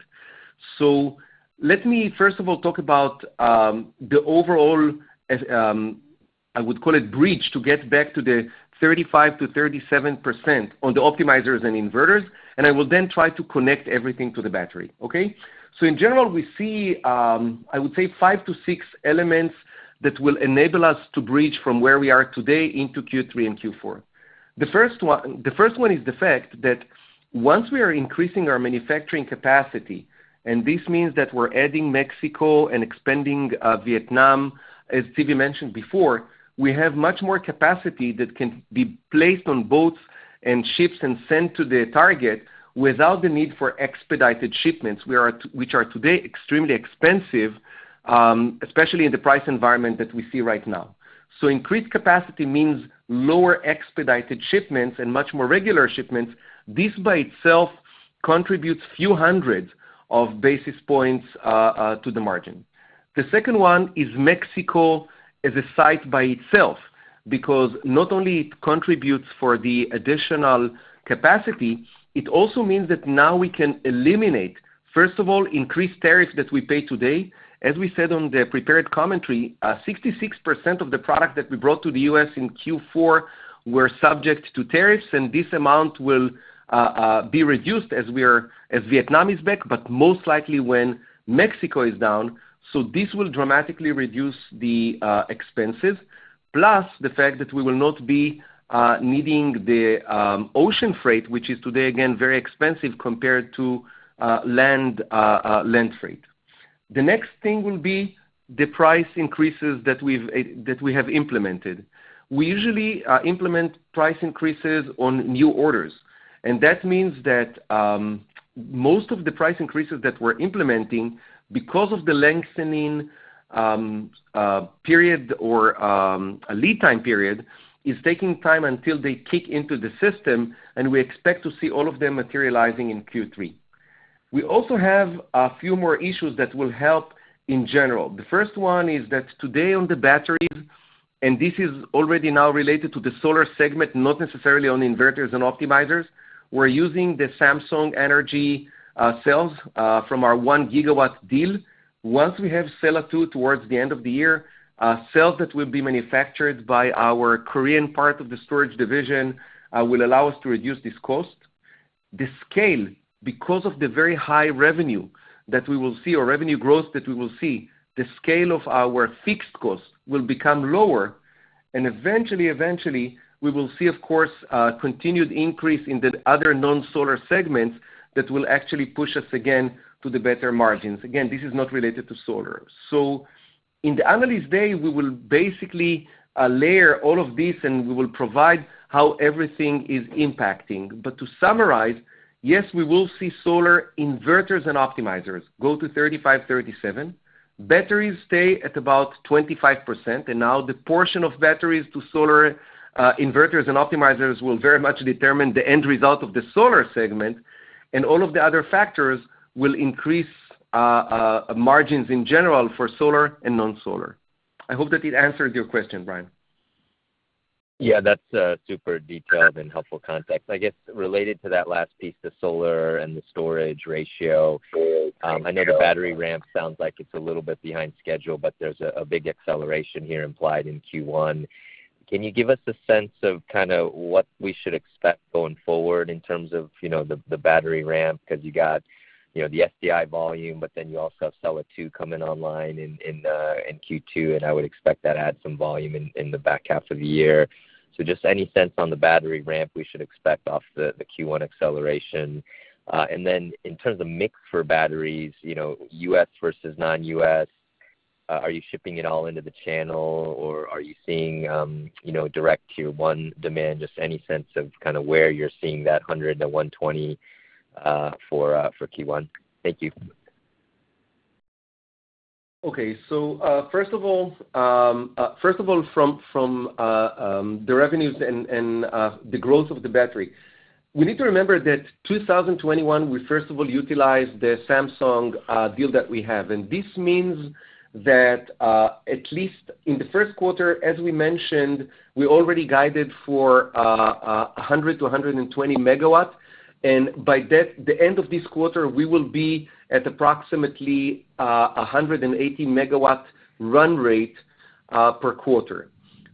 Let me first of all talk about the overall, I would call it bridge to get back to the 35%-37% on the optimizers and inverters, and I will then try to connect everything to the battery. Okay? In general, we see, I would say five to six elements that will enable us to bridge from where we are today into Q3 and Q4. The first one is the fact that once we are increasing our manufacturing capacity, and this means that we're adding Mexico and expanding Vietnam, as Zvi mentioned before, we have much more capacity that can be placed on boats and ships and sent to the target without the need for expedited shipments, which are today extremely expensive, especially in the price environment that we see right now. Increased capacity means lower expedited shipments and much more regular shipments. This by itself contributes a few hundred basis points to the margin. The second one is Mexico as a site by itself. Because not only it contributes for the additional capacity, it also means that now we can eliminate, first of all, increased tariffs that we pay today. As we said on the prepared commentary, 66% of the product that we brought to the U.S. in Q4 were subject to tariffs, and this amount will be reduced as Vietnam is back, but most likely when Mexico is down. This will dramatically reduce the expenses, plus the fact that we will not be needing the ocean freight, which is today, again, very expensive compared to land freight. The next thing will be the price increases that we have implemented. We usually implement price increases on new orders. That means that most of the price increases that we're implementing because of the lengthening lead time period is taking time until they kick into the system, and we expect to see all of them materializing in Q3. We also have a few more issues that will help in general. The first one is that today on the batteries, and this is already now related to the solar segment, not necessarily on inverters and optimizers. We're using the Samsung energy cells from our 1 GW deal. Once we have Sella 2 towards the end of the year, cells that will be manufactured by our Korean part of the storage division will allow us to reduce this cost. The scale, because of the very high revenue that we will see or revenue growth that we will see, the scale of our fixed cost will become lower. Eventually, we will see, of course, continued increase in the other non-solar segments that will actually push us again to the better margins. Again, this is not related to solar. In the Analyst Day, we will basically layer all of this and we will provide how everything is impacting. To summarize, yes, we will see solar inverters and optimizers go to 35%-37%. Batteries stay at about 25%, and now the portion of batteries to solar inverters and optimizers will very much determine the end result of the solar segment, and all of the other factors will increase margins in general for solar and non-solar. I hope that it answered your question, Brian. Yeah, that's super detailed and helpful context. I guess related to that last piece, the solar and the storage ratio, I know the battery ramp sounds like it's a little bit behind schedule, but there's a big acceleration here implied in Q1. Can you give us a sense of kinda what we should expect going forward in terms of, you know, the battery ramp? 'Cause you got, you know, the SDI volume, but then you also have Sella 2 coming online in Q2, and I would expect that add some volume in the back half of the year. Just any sense on the battery ramp we should expect off the Q1 acceleration. In terms of mix for batteries, you know, U.S. versus non-U.S., are you shipping it all into the channel or are you seeing, you know, direct Q1 demand? Just any sense of kinda where you're seeing that $100-$120 for Q1. Thank you. From the revenues and the growth of the battery, we need to remember that in 2021, we first utilized the Samsung deal that we have. This means that at least in the first quarter, as we mentioned, we already guided for 100-120 MWh. By the end of this quarter, we will be at approximately 180 MWh run rate per quarter.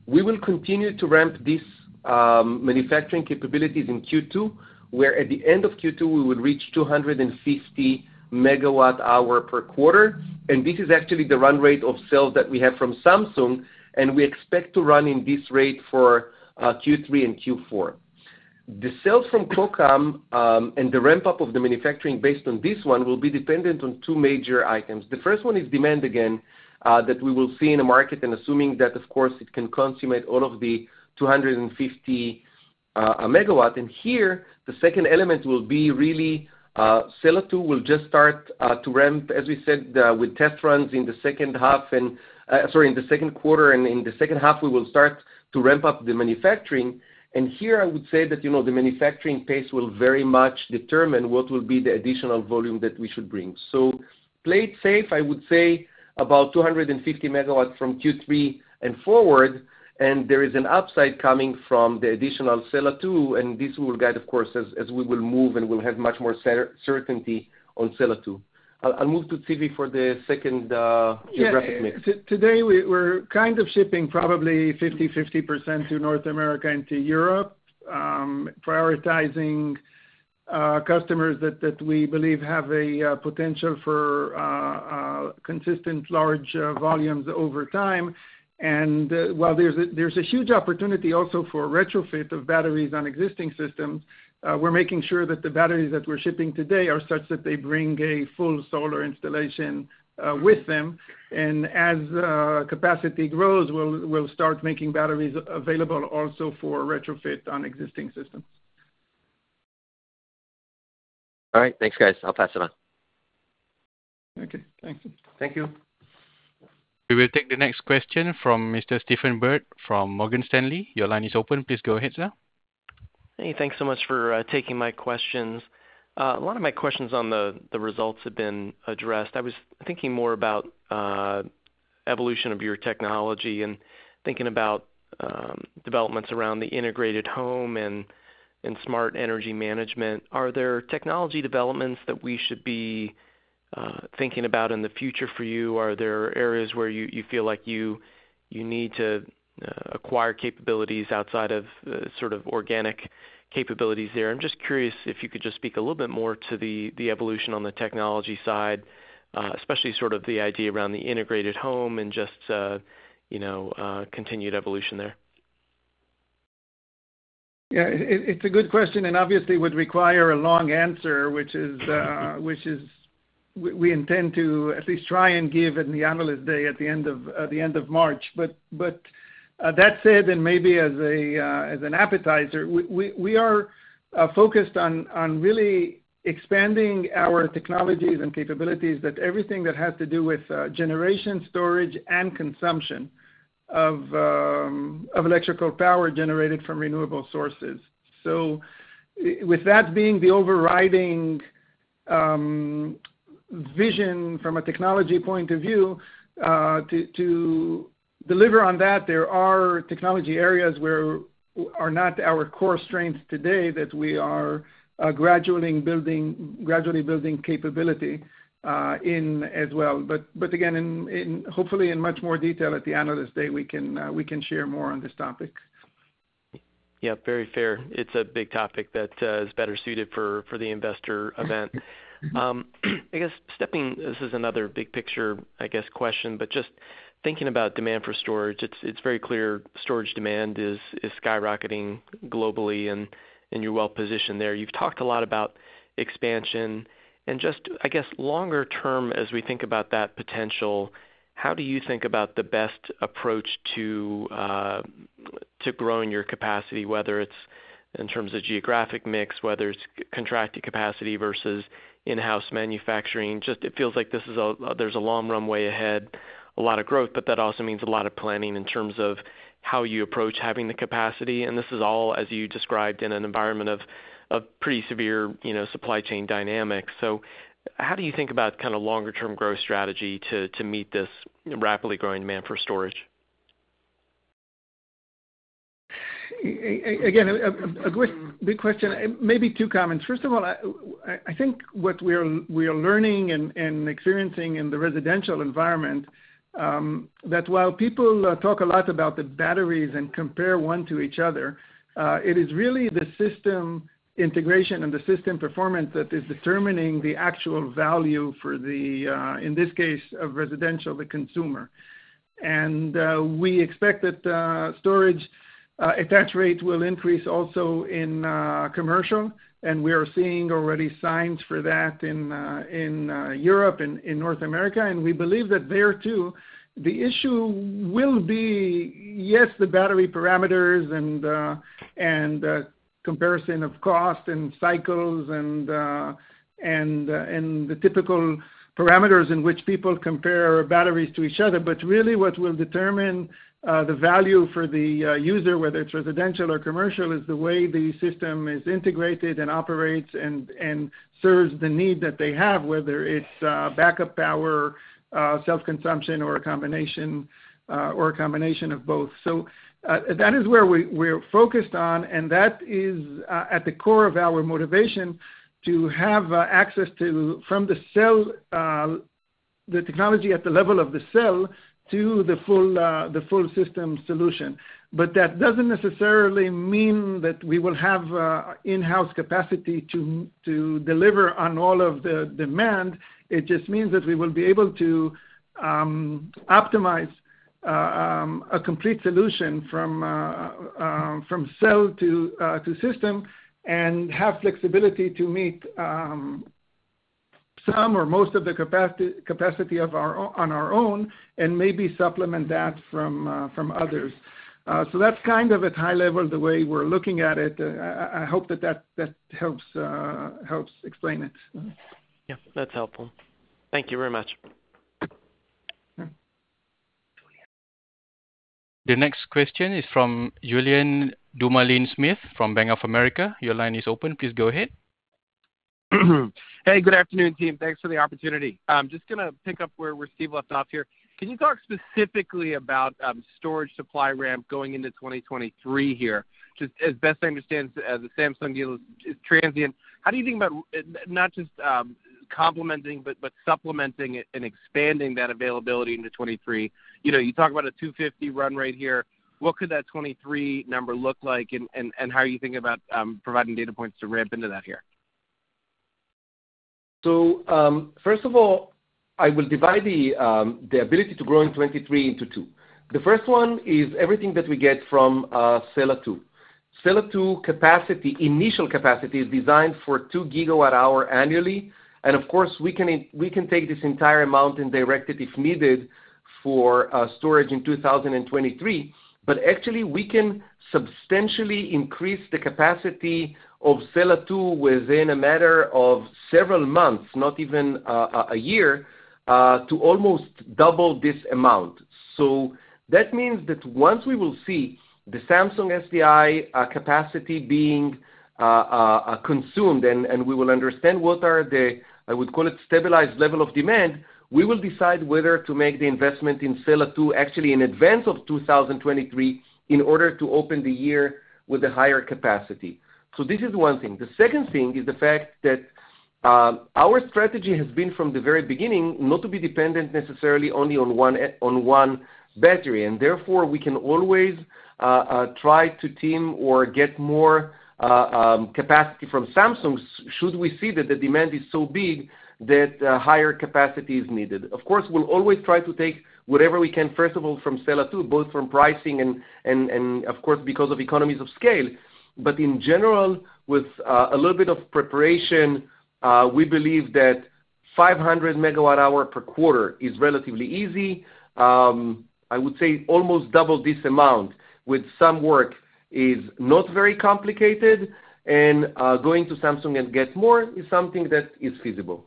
We will continue to ramp this manufacturing capabilities in Q2, where at the end of Q2, we would reach 250 MWh per quarter. This is actually the run rate of sales that we have from Samsung, and we expect to run in this rate for Q3 and Q4. The sales from Kokam and the ramp-up of the manufacturing based on this one will be dependent on two major items. The first one is demand again that we will see in the market and assuming that of course it can consummate all of the 250 MW. Here, the second element will be really Sella 2 will just start to ramp, as we said, with test runs in the second half and, sorry, in the second quarter. In the second half, we will start to ramp up the manufacturing. Here I would say that, you know, the manufacturing pace will very much determine what will be the additional volume that we should bring. Play it safe, I would say about 250 MW from Q3 and forward, and there is an upside coming from the additional Sella 2, and this will guide, of course, as we will move and we'll have much more certainty on Sella 2. I'll move to Zvi for the second geographic mix. Today we're kind of shipping probably 50% to North America and 50% to Europe, prioritizing customers that we believe have a potential for consistent large volumes over time. While there's a huge opportunity also for retrofit of batteries on existing systems, we're making sure that the batteries that we're shipping today are such that they bring a full solar installation with them. As capacity grows, we'll start making batteries available also for retrofit on existing systems. All right, thanks guys. I'll pass it on. Okay, thanks. Thank you. We will take the next question from Mr. Stephen Byrd from Morgan Stanley. Your line is open. Please go ahead, sir. Hey, thanks so much for taking my questions. A lot of my questions on the results have been addressed. I was thinking more about evolution of your technology and thinking about developments around the integrated home and smart energy management. Are there technology developments that we should be thinking about in the future for you? Are there areas where you feel like you need to acquire capabilities outside of the sort of organic capabilities there? I'm just curious if you could just speak a little bit more to the evolution on the technology side, especially sort of the idea around the integrated home and just you know continued evolution there. Yeah, it's a good question, and obviously would require a long answer, which is we intend to at least try and give in the Analyst Day at the end of March. That said, and maybe as an appetizer, we are focused on really expanding our technologies and capabilities that everything that has to do with generation storage and consumption of electrical power generated from renewable sources. With that being the overriding vision from a technology point of view, to deliver on that, there are technology areas where are not our core strengths today that we are gradually building capability in as well. Again, hopefully in much more detail at the Analyst Day, we can share more on this topic. Yeah, very fair. It's a big topic that is better suited for the investor event. This is another big picture, I guess, question, just thinking about demand for storage, it's very clear storage demand is skyrocketing globally and you're well positioned there. You've talked a lot about expansion and just, I guess, longer term, as we think about that potential, how do you think about the best approach to growing your capacity, whether it's in terms of geographic mix, whether it's contracted capacity versus in-house manufacturing? It feels like this is a, there's a long runway ahead, a lot of growth, but that also means a lot of planning in terms of how you approach having the capacity, and this is all, as you described, in an environment of pretty severe, you know, supply chain dynamics. How do you think about kind of longer-term growth strategy to meet this rapidly growing demand for storage? Again, a great big question, maybe two comments. First of all, I think what we are learning and experiencing in the residential environment, that while people talk a lot about the batteries and compare one to each other, it is really the system integration and the system performance that is determining the actual value for the, in this case, of residential, the consumer. We expect that storage attach rates will increase also in commercial, and we are seeing already signs for that in Europe and in North America. We believe that there too, the issue will be, yes, the battery parameters and the typical parameters in which people compare batteries to each other. Really what will determine the value for the user, whether it's residential or commercial, is the way the system is integrated and operates and serves the need that they have, whether it's backup power, self-consumption or a combination of both. That is where we're focused on, and that is at the core of our motivation to have access to, from the cell, the technology at the level of the cell to the full system solution. That doesn't necessarily mean that we will have in-house capacity to deliver on all of the demand. It just means that we will be able to optimize a complete solution from cell to system and have flexibility to meet some or most of the capacity of our own and maybe supplement that from others. That's kind of at high level the way we're looking at it. I hope that helps explain it. Yeah, that's helpful. Thank you very much. Mm-hmm. The next question is from Julien Dumoulin-Smith from Bank of America. Your line is open. Please go ahead. Hey, good afternoon, team. Thanks for the opportunity. I'm just gonna pick up where Steve left off here. Can you talk specifically about storage supply ramp going into 2023 here? Just as best I understand, the Samsung deal is transient. How do you think about not just complementing but supplementing it and expanding that availability into 2023? You know, you talk about a 250 run rate here. What could that 2023 number look like, and how are you thinking about providing data points to ramp into that here? First of all, I will divide the ability to grow in 2023 into two. The first one is everything that we get from Sella 2. Sella 2 capacity, initial capacity is designed for 2 GWh annually. Of course, we can take this entire amount and direct it if needed for storage in 2023. Actually, we can substantially increase the capacity of Sella 2 within a matter of several months, not even a year, to almost double this amount. That means that once we will see the Samsung SDI capacity being consumed, and we will understand what are the, I would call it, stabilized level of demand, we will decide whether to make the investment in Sella 2 actually in advance of 2023 in order to open the year with a higher capacity. This is one thing. The second thing is the fact that our strategy has been from the very beginning not to be dependent necessarily only on one battery. Therefore, we can always try to team or get more capacity from Samsung should we see that the demand is so big that higher capacity is needed. Of course, we'll always try to take whatever we can, first of all, from Sella 2, both from pricing and of course, because of economies of scale. In general, with a little bit of preparation, we believe that 500 MWh per quarter is relatively easy. I would say almost double this amount with some work is not very complicated, and going to Samsung and get more is something that is feasible.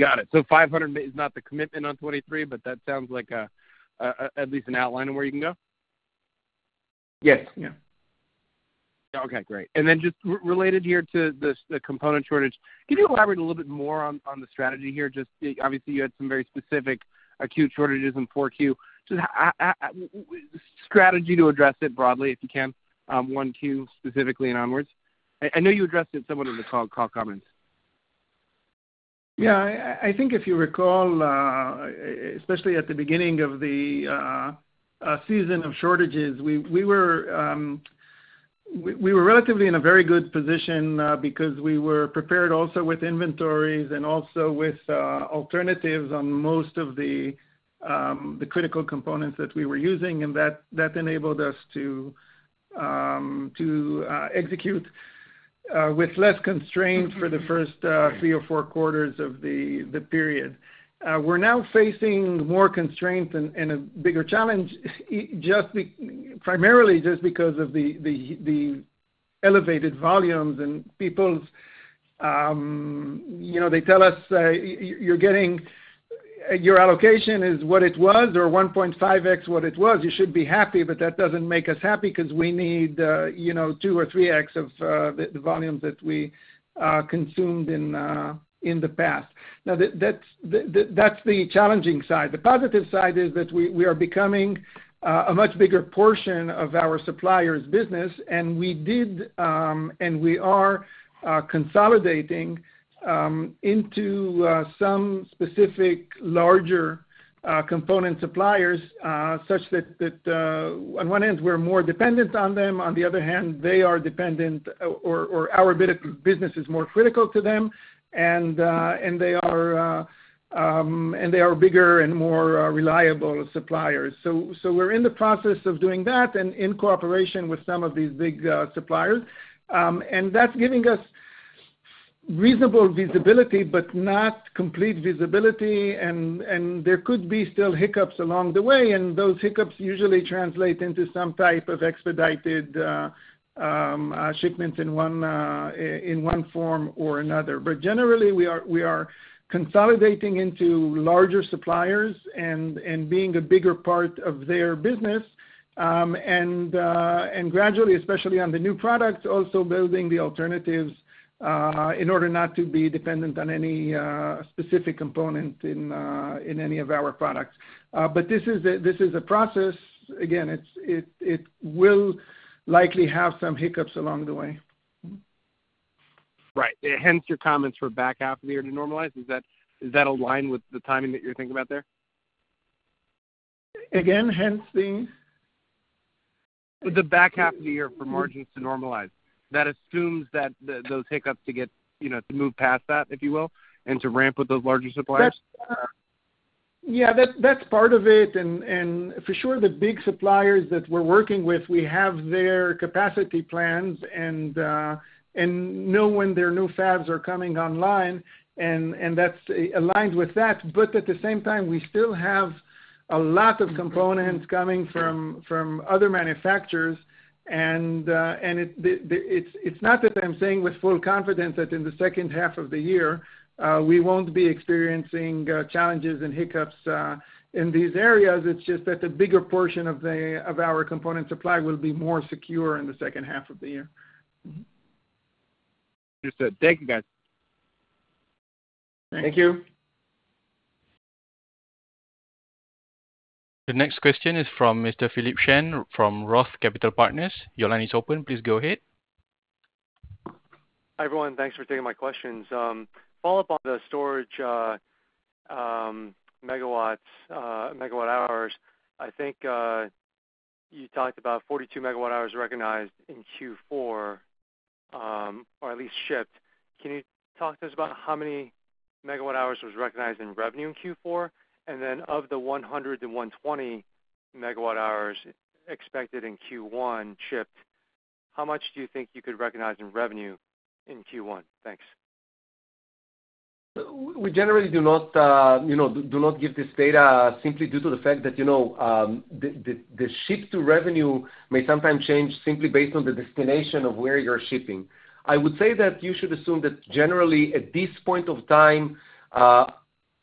Got it. 500 MW is not the commitment on 2023, but that sounds like at least an outline of where you can go. Yes. Yeah. Okay, great. Just related here to the component shortage. Can you elaborate a little bit more on the strategy here? Just obviously, you had some very specific acute shortages in Q4. How's the strategy to address it broadly, if you can, Q1 specifically and onwards. I know you addressed it somewhat in the call comments. I think if you recall, especially at the beginning of the season of shortages, we were relatively in a very good position, because we were prepared also with inventories and also with alternatives on most of the critical components that we were using, and that enabled us to execute with less constraints for the first three or four quarters of the period. We're now facing more constraints and a bigger challenge primarily just because of the elevated volumes and people's, you know, they tell us, you're getting, your allocation is what it was or 1.5x what it was. You should be happy. That doesn't make us happy 'cause we need, you know, 2x or 3x of the volumes that we consumed in the past. Now that's the challenging side. The positive side is that we are becoming a much bigger portion of our suppliers' business, and we are consolidating into some specific larger component suppliers such that on one end, we're more dependent on them. On the other hand, they are dependent or our business is more critical to them and they are bigger and more reliable suppliers. We're in the process of doing that and in cooperation with some of these big suppliers. That's giving us reasonable visibility, but not complete visibility. There could be still hiccups along the way, and those hiccups usually translate into some type of expedited shipments in one form or another. Generally, we are consolidating into larger suppliers and being a bigger part of their business. Gradually, especially on the new products, also building the alternatives in order not to be dependent on any specific component in any of our products. This is a process. Again, it will likely have some hiccups along the way. Right. Hence your comments for back half of the year to normalize. Does that align with the timing that you're thinking about there? Again, hence the? The back half of the year for margins to normalize. That assumes that those hiccups to get, you know, to move past that, if you will, and to ramp with those larger suppliers. That's yeah, that's part of it. For sure the big suppliers that we're working with, we have their capacity plans and know when their new fabs are coming online and that's aligned with that. At the same time, we still have a lot of components coming from other manufacturers. It's not that I'm saying with full confidence that in the second half of the year we won't be experiencing challenges and hiccups in these areas. It's just that the bigger portion of our component supply will be more secure in the second half of the year. Mm-hmm. Understood. Thank you, guys. Thank you. The next question is from Mr. Philip Shen from Roth Capital Partners. Your line is open. Please go ahead. Hi, everyone. Thanks for taking my questions. Follow-up on the storage, megawatts, megawatt hours. I think you talked about 42 MWh recognized in Q4, or at least shipped. Can you talk to us about how many megawatt hours was recognized in revenue in Q4? Of the 120 MWh expected in Q1 shipped, how much do you think you could recognize in revenue in Q1? Thanks. We generally do not give this data simply due to the fact that you know the ship to revenue may sometimes change simply based on the destination of where you're shipping. I would say that you should assume that generally at this point of time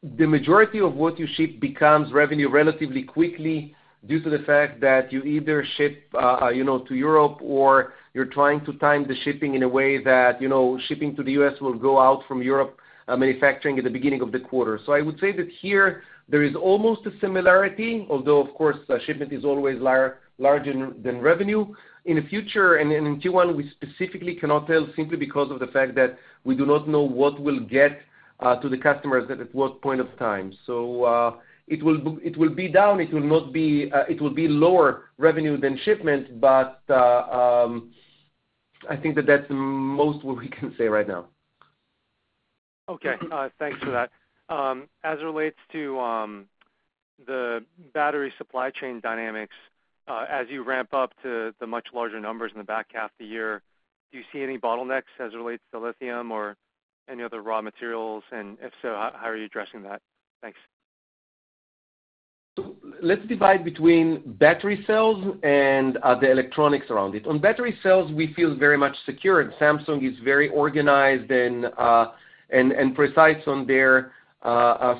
the majority of what you ship becomes revenue relatively quickly due to the fact that you either ship you know to Europe or you're trying to time the shipping in a way that you know shipping to the U.S. will go out from Europe manufacturing at the beginning of the quarter. I would say that here there is almost a similarity, although of course the shipment is always larger than revenue. In the future and in Q1, we specifically cannot tell simply because of the fact that we do not know what we'll get to the customers at what point of time. It will be down. It will be lower revenue than shipment, but I think that that's most what we can say right now. Okay. Thanks for that. As it relates to the battery supply chain dynamics, as you ramp up to the much larger numbers in the back half of the year, do you see any bottlenecks as it relates to lithium or any other raw materials? If so, how are you addressing that? Thanks. Let's divide between battery cells and the electronics around it. On battery cells, we feel very much secure. Samsung is very organized and precise on their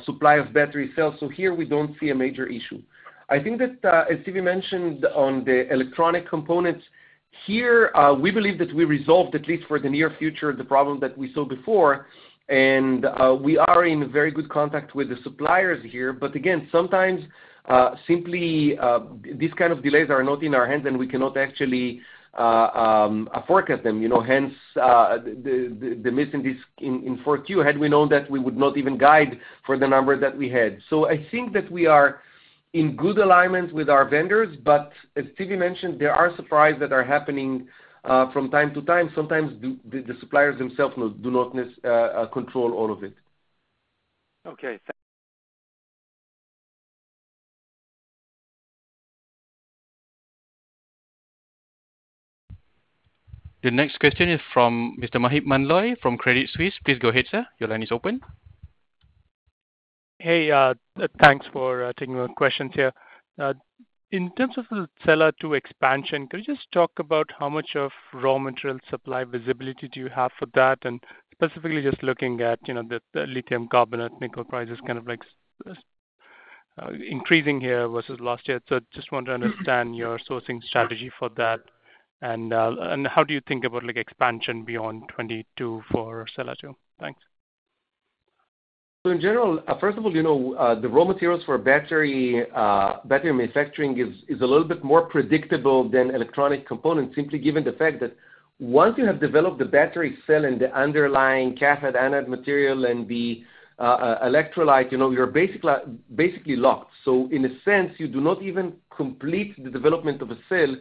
supply of battery cells. Here we don't see a major issue. I think that as Zvi mentioned on the electronic components here, we believe that we resolved, at least for the near future, the problem that we saw before. We are in very good contact with the suppliers here. But again, sometimes simply these kind of delays are not in our hands, and we cannot actually forecast them, you know, hence the missing this in Q4. Had we known that, we would not even guide for the numbers that we had. I think that we are in good alignment with our vendors. As Zvi mentioned, there are surprises that are happening from time to time. Sometimes the suppliers themselves do not necessarily control all of it. Okay. The next question is from Mr. Maheep Mandloi from Credit Suisse. Please go ahead, sir. Your line is open. Hey, thanks for taking my questions here. In terms of the Sella 2 expansion, could you just talk about how much of raw material supply visibility do you have for that? Specifically, just looking at, you know, the lithium carbonate, nickel prices kind of like increasing here versus last year. Just want to understand your sourcing strategy for that. How do you think about like expansion beyond 2022 for Sella 2? Thanks. In general, first of all, you know, the raw materials for battery manufacturing is a little bit more predictable than electronic components, simply given the fact that once you have developed the battery cell and the underlying cathode, anode material and the electrolyte, you know, you're basically locked. In a sense, you do not even complete the development of a cell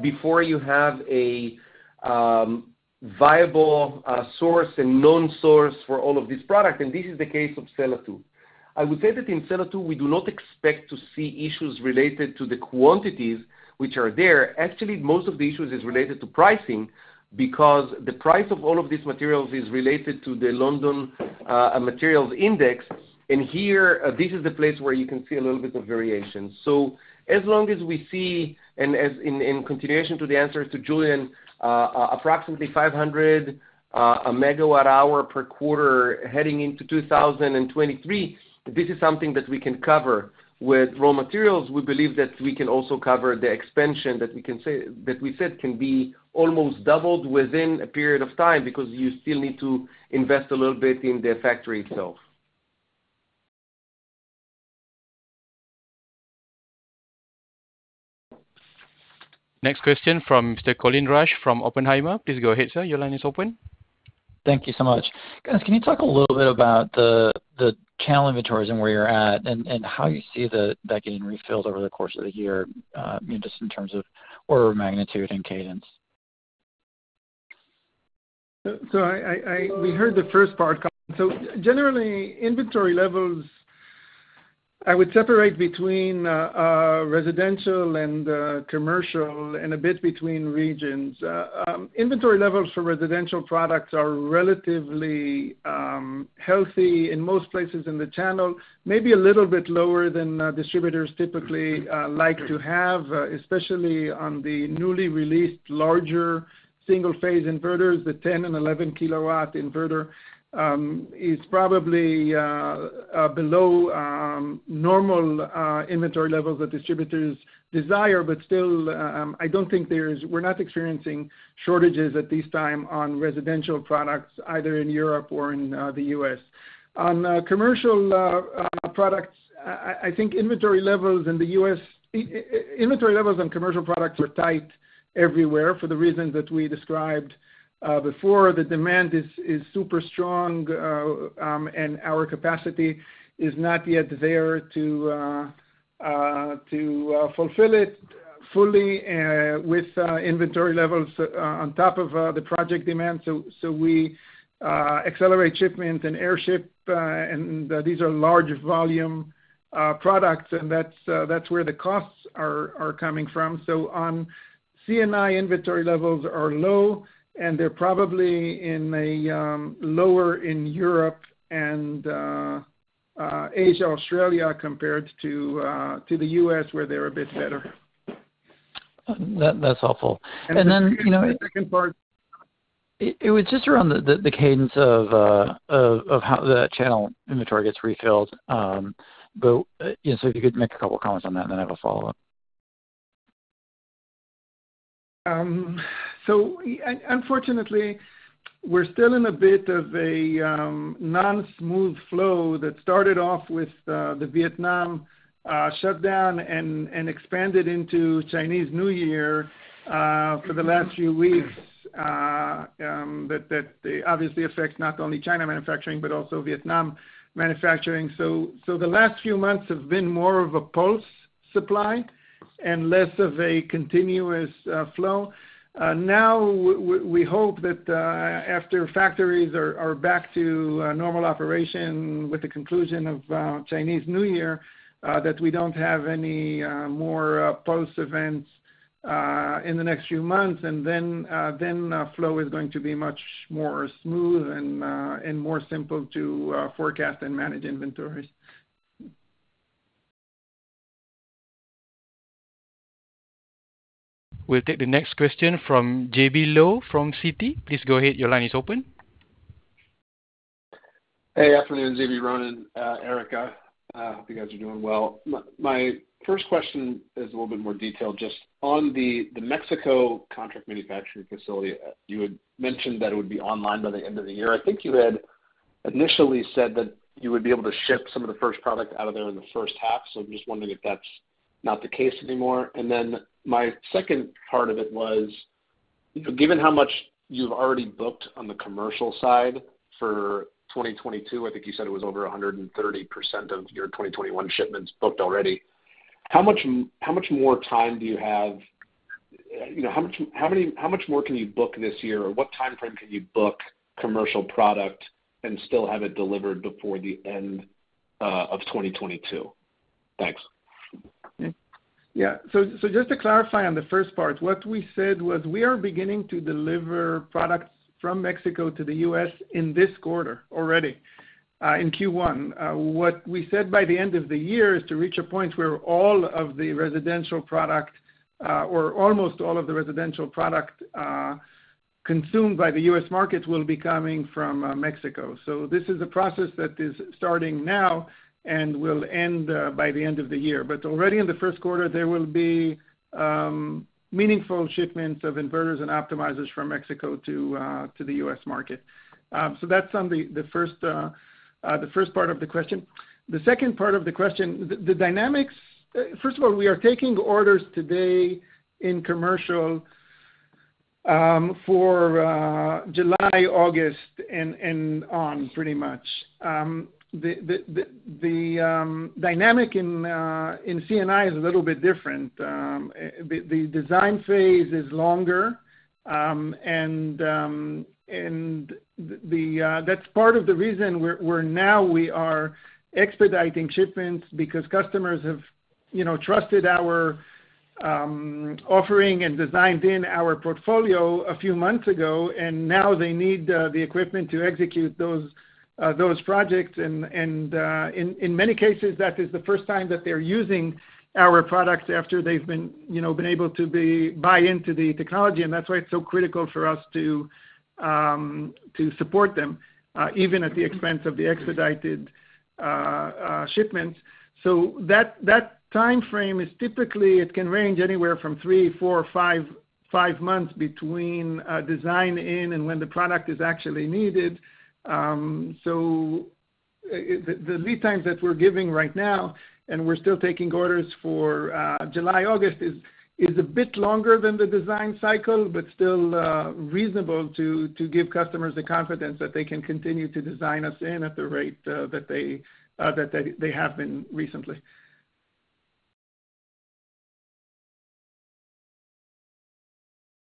before you have a viable source and known source for all of these products, and this is the case of Sella 2. I would say that in Sella 2, we do not expect to see issues related to the quantities which are there. Actually, most of the issues is related to pricing because the price of all of these materials is related to the London Metal Exchange. Here, this is the place where you can see a little bit of variation. As long as we see, in continuation to the answers to Julien, approximately 500 MWh per quarter heading into 2023, this is something that we can cover. With raw materials, we believe that we can also cover the expansion that we said can be almost doubled within a period of time because you still need to invest a little bit in the factory itself. Next question from Mr. Colin Rusch from Oppenheimer. Please go ahead, sir. Your line is open. Thank you so much. Guys, can you talk a little bit about the channel inventories and where you're at and how you see that getting refilled over the course of the year, you know, just in terms of order of magnitude and cadence? We heard the first part. Generally, inventory levels, I would separate between residential and commercial and a bit between regions. Inventory levels for residential products are relatively healthy in most places in the channel, maybe a little bit lower than distributors typically like to have, especially on the newly released larger single-phase inverters. The 10 and 11-kW inverter is probably below normal inventory levels that distributors desire. Still, we're not experiencing shortages at this time on residential products either in Europe or in the U.S. On commercial products, I think inventory levels in the U.S. are tight everywhere for the reasons that we described before. The demand is super strong, and our capacity is not yet there to fulfill it fully, with inventory levels on top of the project demand. We accelerate shipment and air ship, and these are large volume products, and that's where the costs are coming from. On C&I inventory levels are low, and they're probably lower in Europe and Asia, Australia compared to the U.S. where they're a bit better. That's helpful. You know, The second part. It was just around the cadence of how the channel inventory gets refilled. You know, if you could make a couple of comments on that, and then I have a follow-up. Unfortunately, we're still in a bit of a non-smooth flow that started off with the Vietnam shutdown and expanded into Chinese New Year for the last few weeks that obviously affects not only China manufacturing but also Vietnam manufacturing. The last few months have been more of a pulse supply and less of a continuous flow. Now we hope that after factories are back to normal operation with the conclusion of Chinese New Year that we don't have any more pulse events in the next few months. Flow is going to be much more smooth and more simple to forecast and manage inventories. We'll take the next question from J.B. Lowe from Citi. Please go ahead. Your line is open. Hey, afternoon, Zvi, Ronen, Erica. Hope you guys are doing well. My first question is a little bit more detailed just on the Mexico contract manufacturing facility. You had mentioned that it would be online by the end of the year. I think you had initially said that you would be able to ship some of the first product out of there in the first half. I'm just wondering if that's not the case anymore. My second part of it was, you know, given how much you've already booked on the commercial side for 2022, I think you said it was over 130% of your 2021 shipments booked already. How much more time do you have? You know, how much more can you book this year? What timeframe can you book commercial product and still have it delivered before the end of 2022? Thanks. Just to clarify on the first part, what we said was we are beginning to deliver products from Mexico to the U.S. in this quarter already, in Q1. What we said by the end of the year is to reach a point where all of the residential product, or almost all of the residential product, consumed by the U.S. market will be coming from Mexico. This is a process that is starting now and will end by the end of the year. Already in the first quarter, there will be meaningful shipments of inverters and optimizers from Mexico to the U.S. market. That's on the first part of the question. The second part of the question, the dynamics, first of all, we are taking orders today in commercial for July, August, and on pretty much. The dynamic in C&I is a little bit different. The design phase is longer. That's part of the reason we are now expediting shipments because customers have, you know, trusted our offering and designed in our portfolio a few months ago, and now they need the equipment to execute those projects. In many cases, that is the first time that they're using our products after they've been, you know, able to buy into the technology. That's why it's so critical for us to support them even at the expense of the expedited shipments. That timeframe is typically it can range anywhere from three, four, five months between design in and when the product is actually needed. The lead times that we're giving right now, and we're still taking orders for July, August is a bit longer than the design cycle, but still reasonable to give customers the confidence that they can continue to design us in at the rate that they have been recently.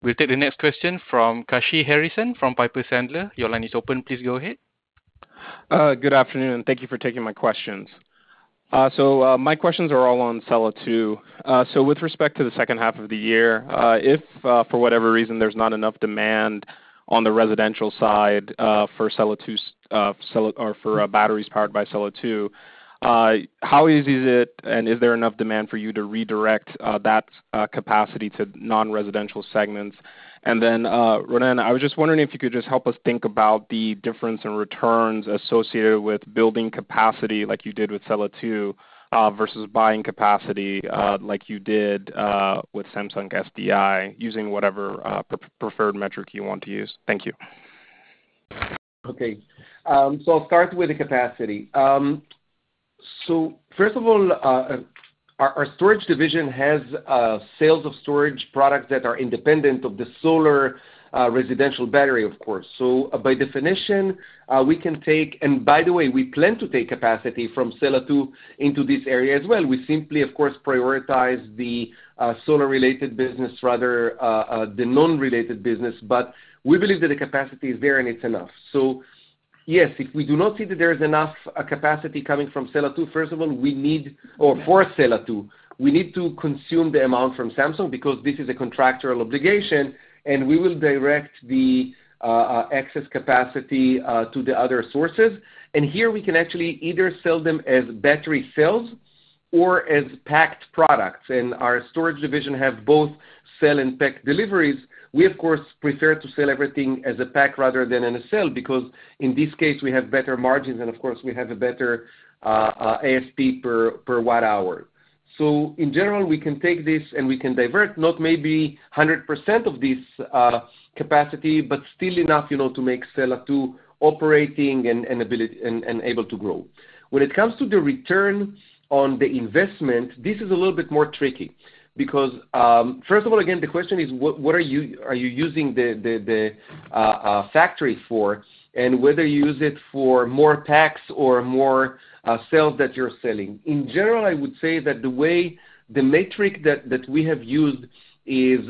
We'll take the next question from Kashy Harrison from Piper Sandler. Your line is open. Please go ahead. Good afternoon, thank you for taking my questions. My questions are all on Sella 2. With respect to the second half of the year, if for whatever reason there's not enough demand on the residential side for Sella 2 or for batteries powered by Sella 2, how easy is it and is there enough demand for you to redirect that capacity to non-residential segments? Then, Ronen, I was just wondering if you could just help us think about the difference in returns associated with building capacity like you did with Sella 2 versus buying capacity like you did with Samsung SDI, using whatever preferred metric you want to use. Thank you. Okay. I'll start with the capacity. First of all, our storage division has sales of storage products that are independent of the solar residential battery, of course. By definition, we can take. By the way, we plan to take capacity from Sella 2 into this area as well. We simply, of course, prioritize the solar related business rather than the non-related business. We believe that the capacity is there and it's enough. Yes, if we do not see that there is enough capacity coming from Sella 2, first of all, for Sella 2, we need to consume the amount from Samsung because this is a contractual obligation and we will direct the excess capacity to the other sources. Here we can actually either sell them as battery cells or as packed products. Our storage division have both cell and packed deliveries. We of course prefer to sell everything as a pack rather than in a cell because in this case we have better margins and of course we have a better ASP per watt hour. In general, we can take this and we can divert not maybe 100% of this capacity, but still enough, you know, to make Sella 2 operating and able to grow. When it comes to the return on the investment, this is a little bit more tricky because first of all, again, the question is what are you using the factory for and whether you use it for more packs or more cells that you're selling. In general, I would say that the way the metric that we have used is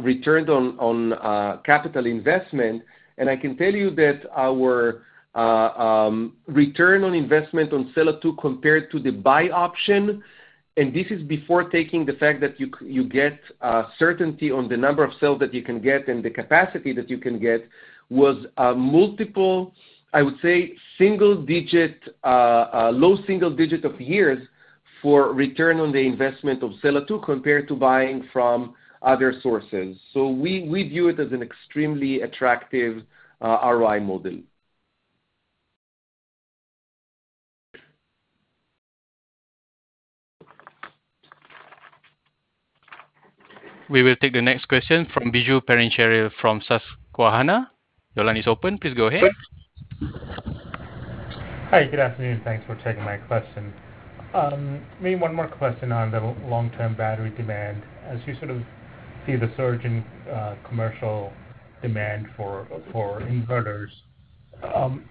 returns on capital investment. I can tell you that our return on investment on Sella 2 compared to the buy option, and this is before taking the fact that you get certainty on the number of cells that you can get and the capacity that you can get, was a multiple, I would say single digit, low single digit of years for return on the investment of Sella 2 compared to buying from other sources. We view it as an extremely attractive ROI model. We will take the next question from Biju Perincheril from Susquehanna. Your line is open. Please go ahead. Hi, good afternoon. Thanks for taking my question. Maybe one more question on the long-term battery demand. As you sort of see the surge in commercial demand for inverters,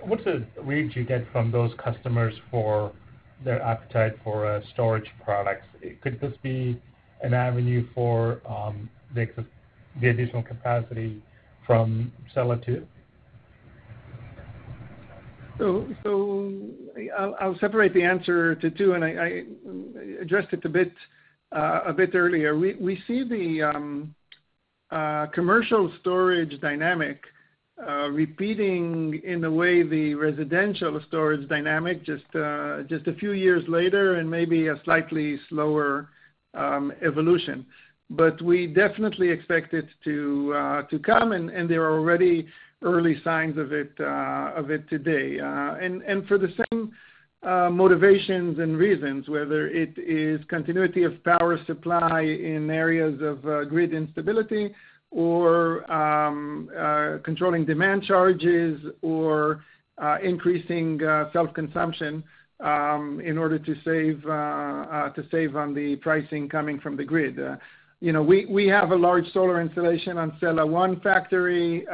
what's the read you get from those customers for their appetite for storage products? Could this be an avenue for the additional capacity from Sella 2? I'll separate the answer into two, and I addressed it a bit earlier. We see the commercial storage dynamic repeating in the way the residential storage dynamic just a few years later and maybe a slightly slower evolution. But we definitely expect it to come and there are already early signs of it today. And for the same motivations and reasons, whether it is continuity of power supply in areas of grid instability or controlling demand charges or increasing self-consumption in order to save on the pricing coming from the grid. You know, we have a large solar installation on Sella 1 factory.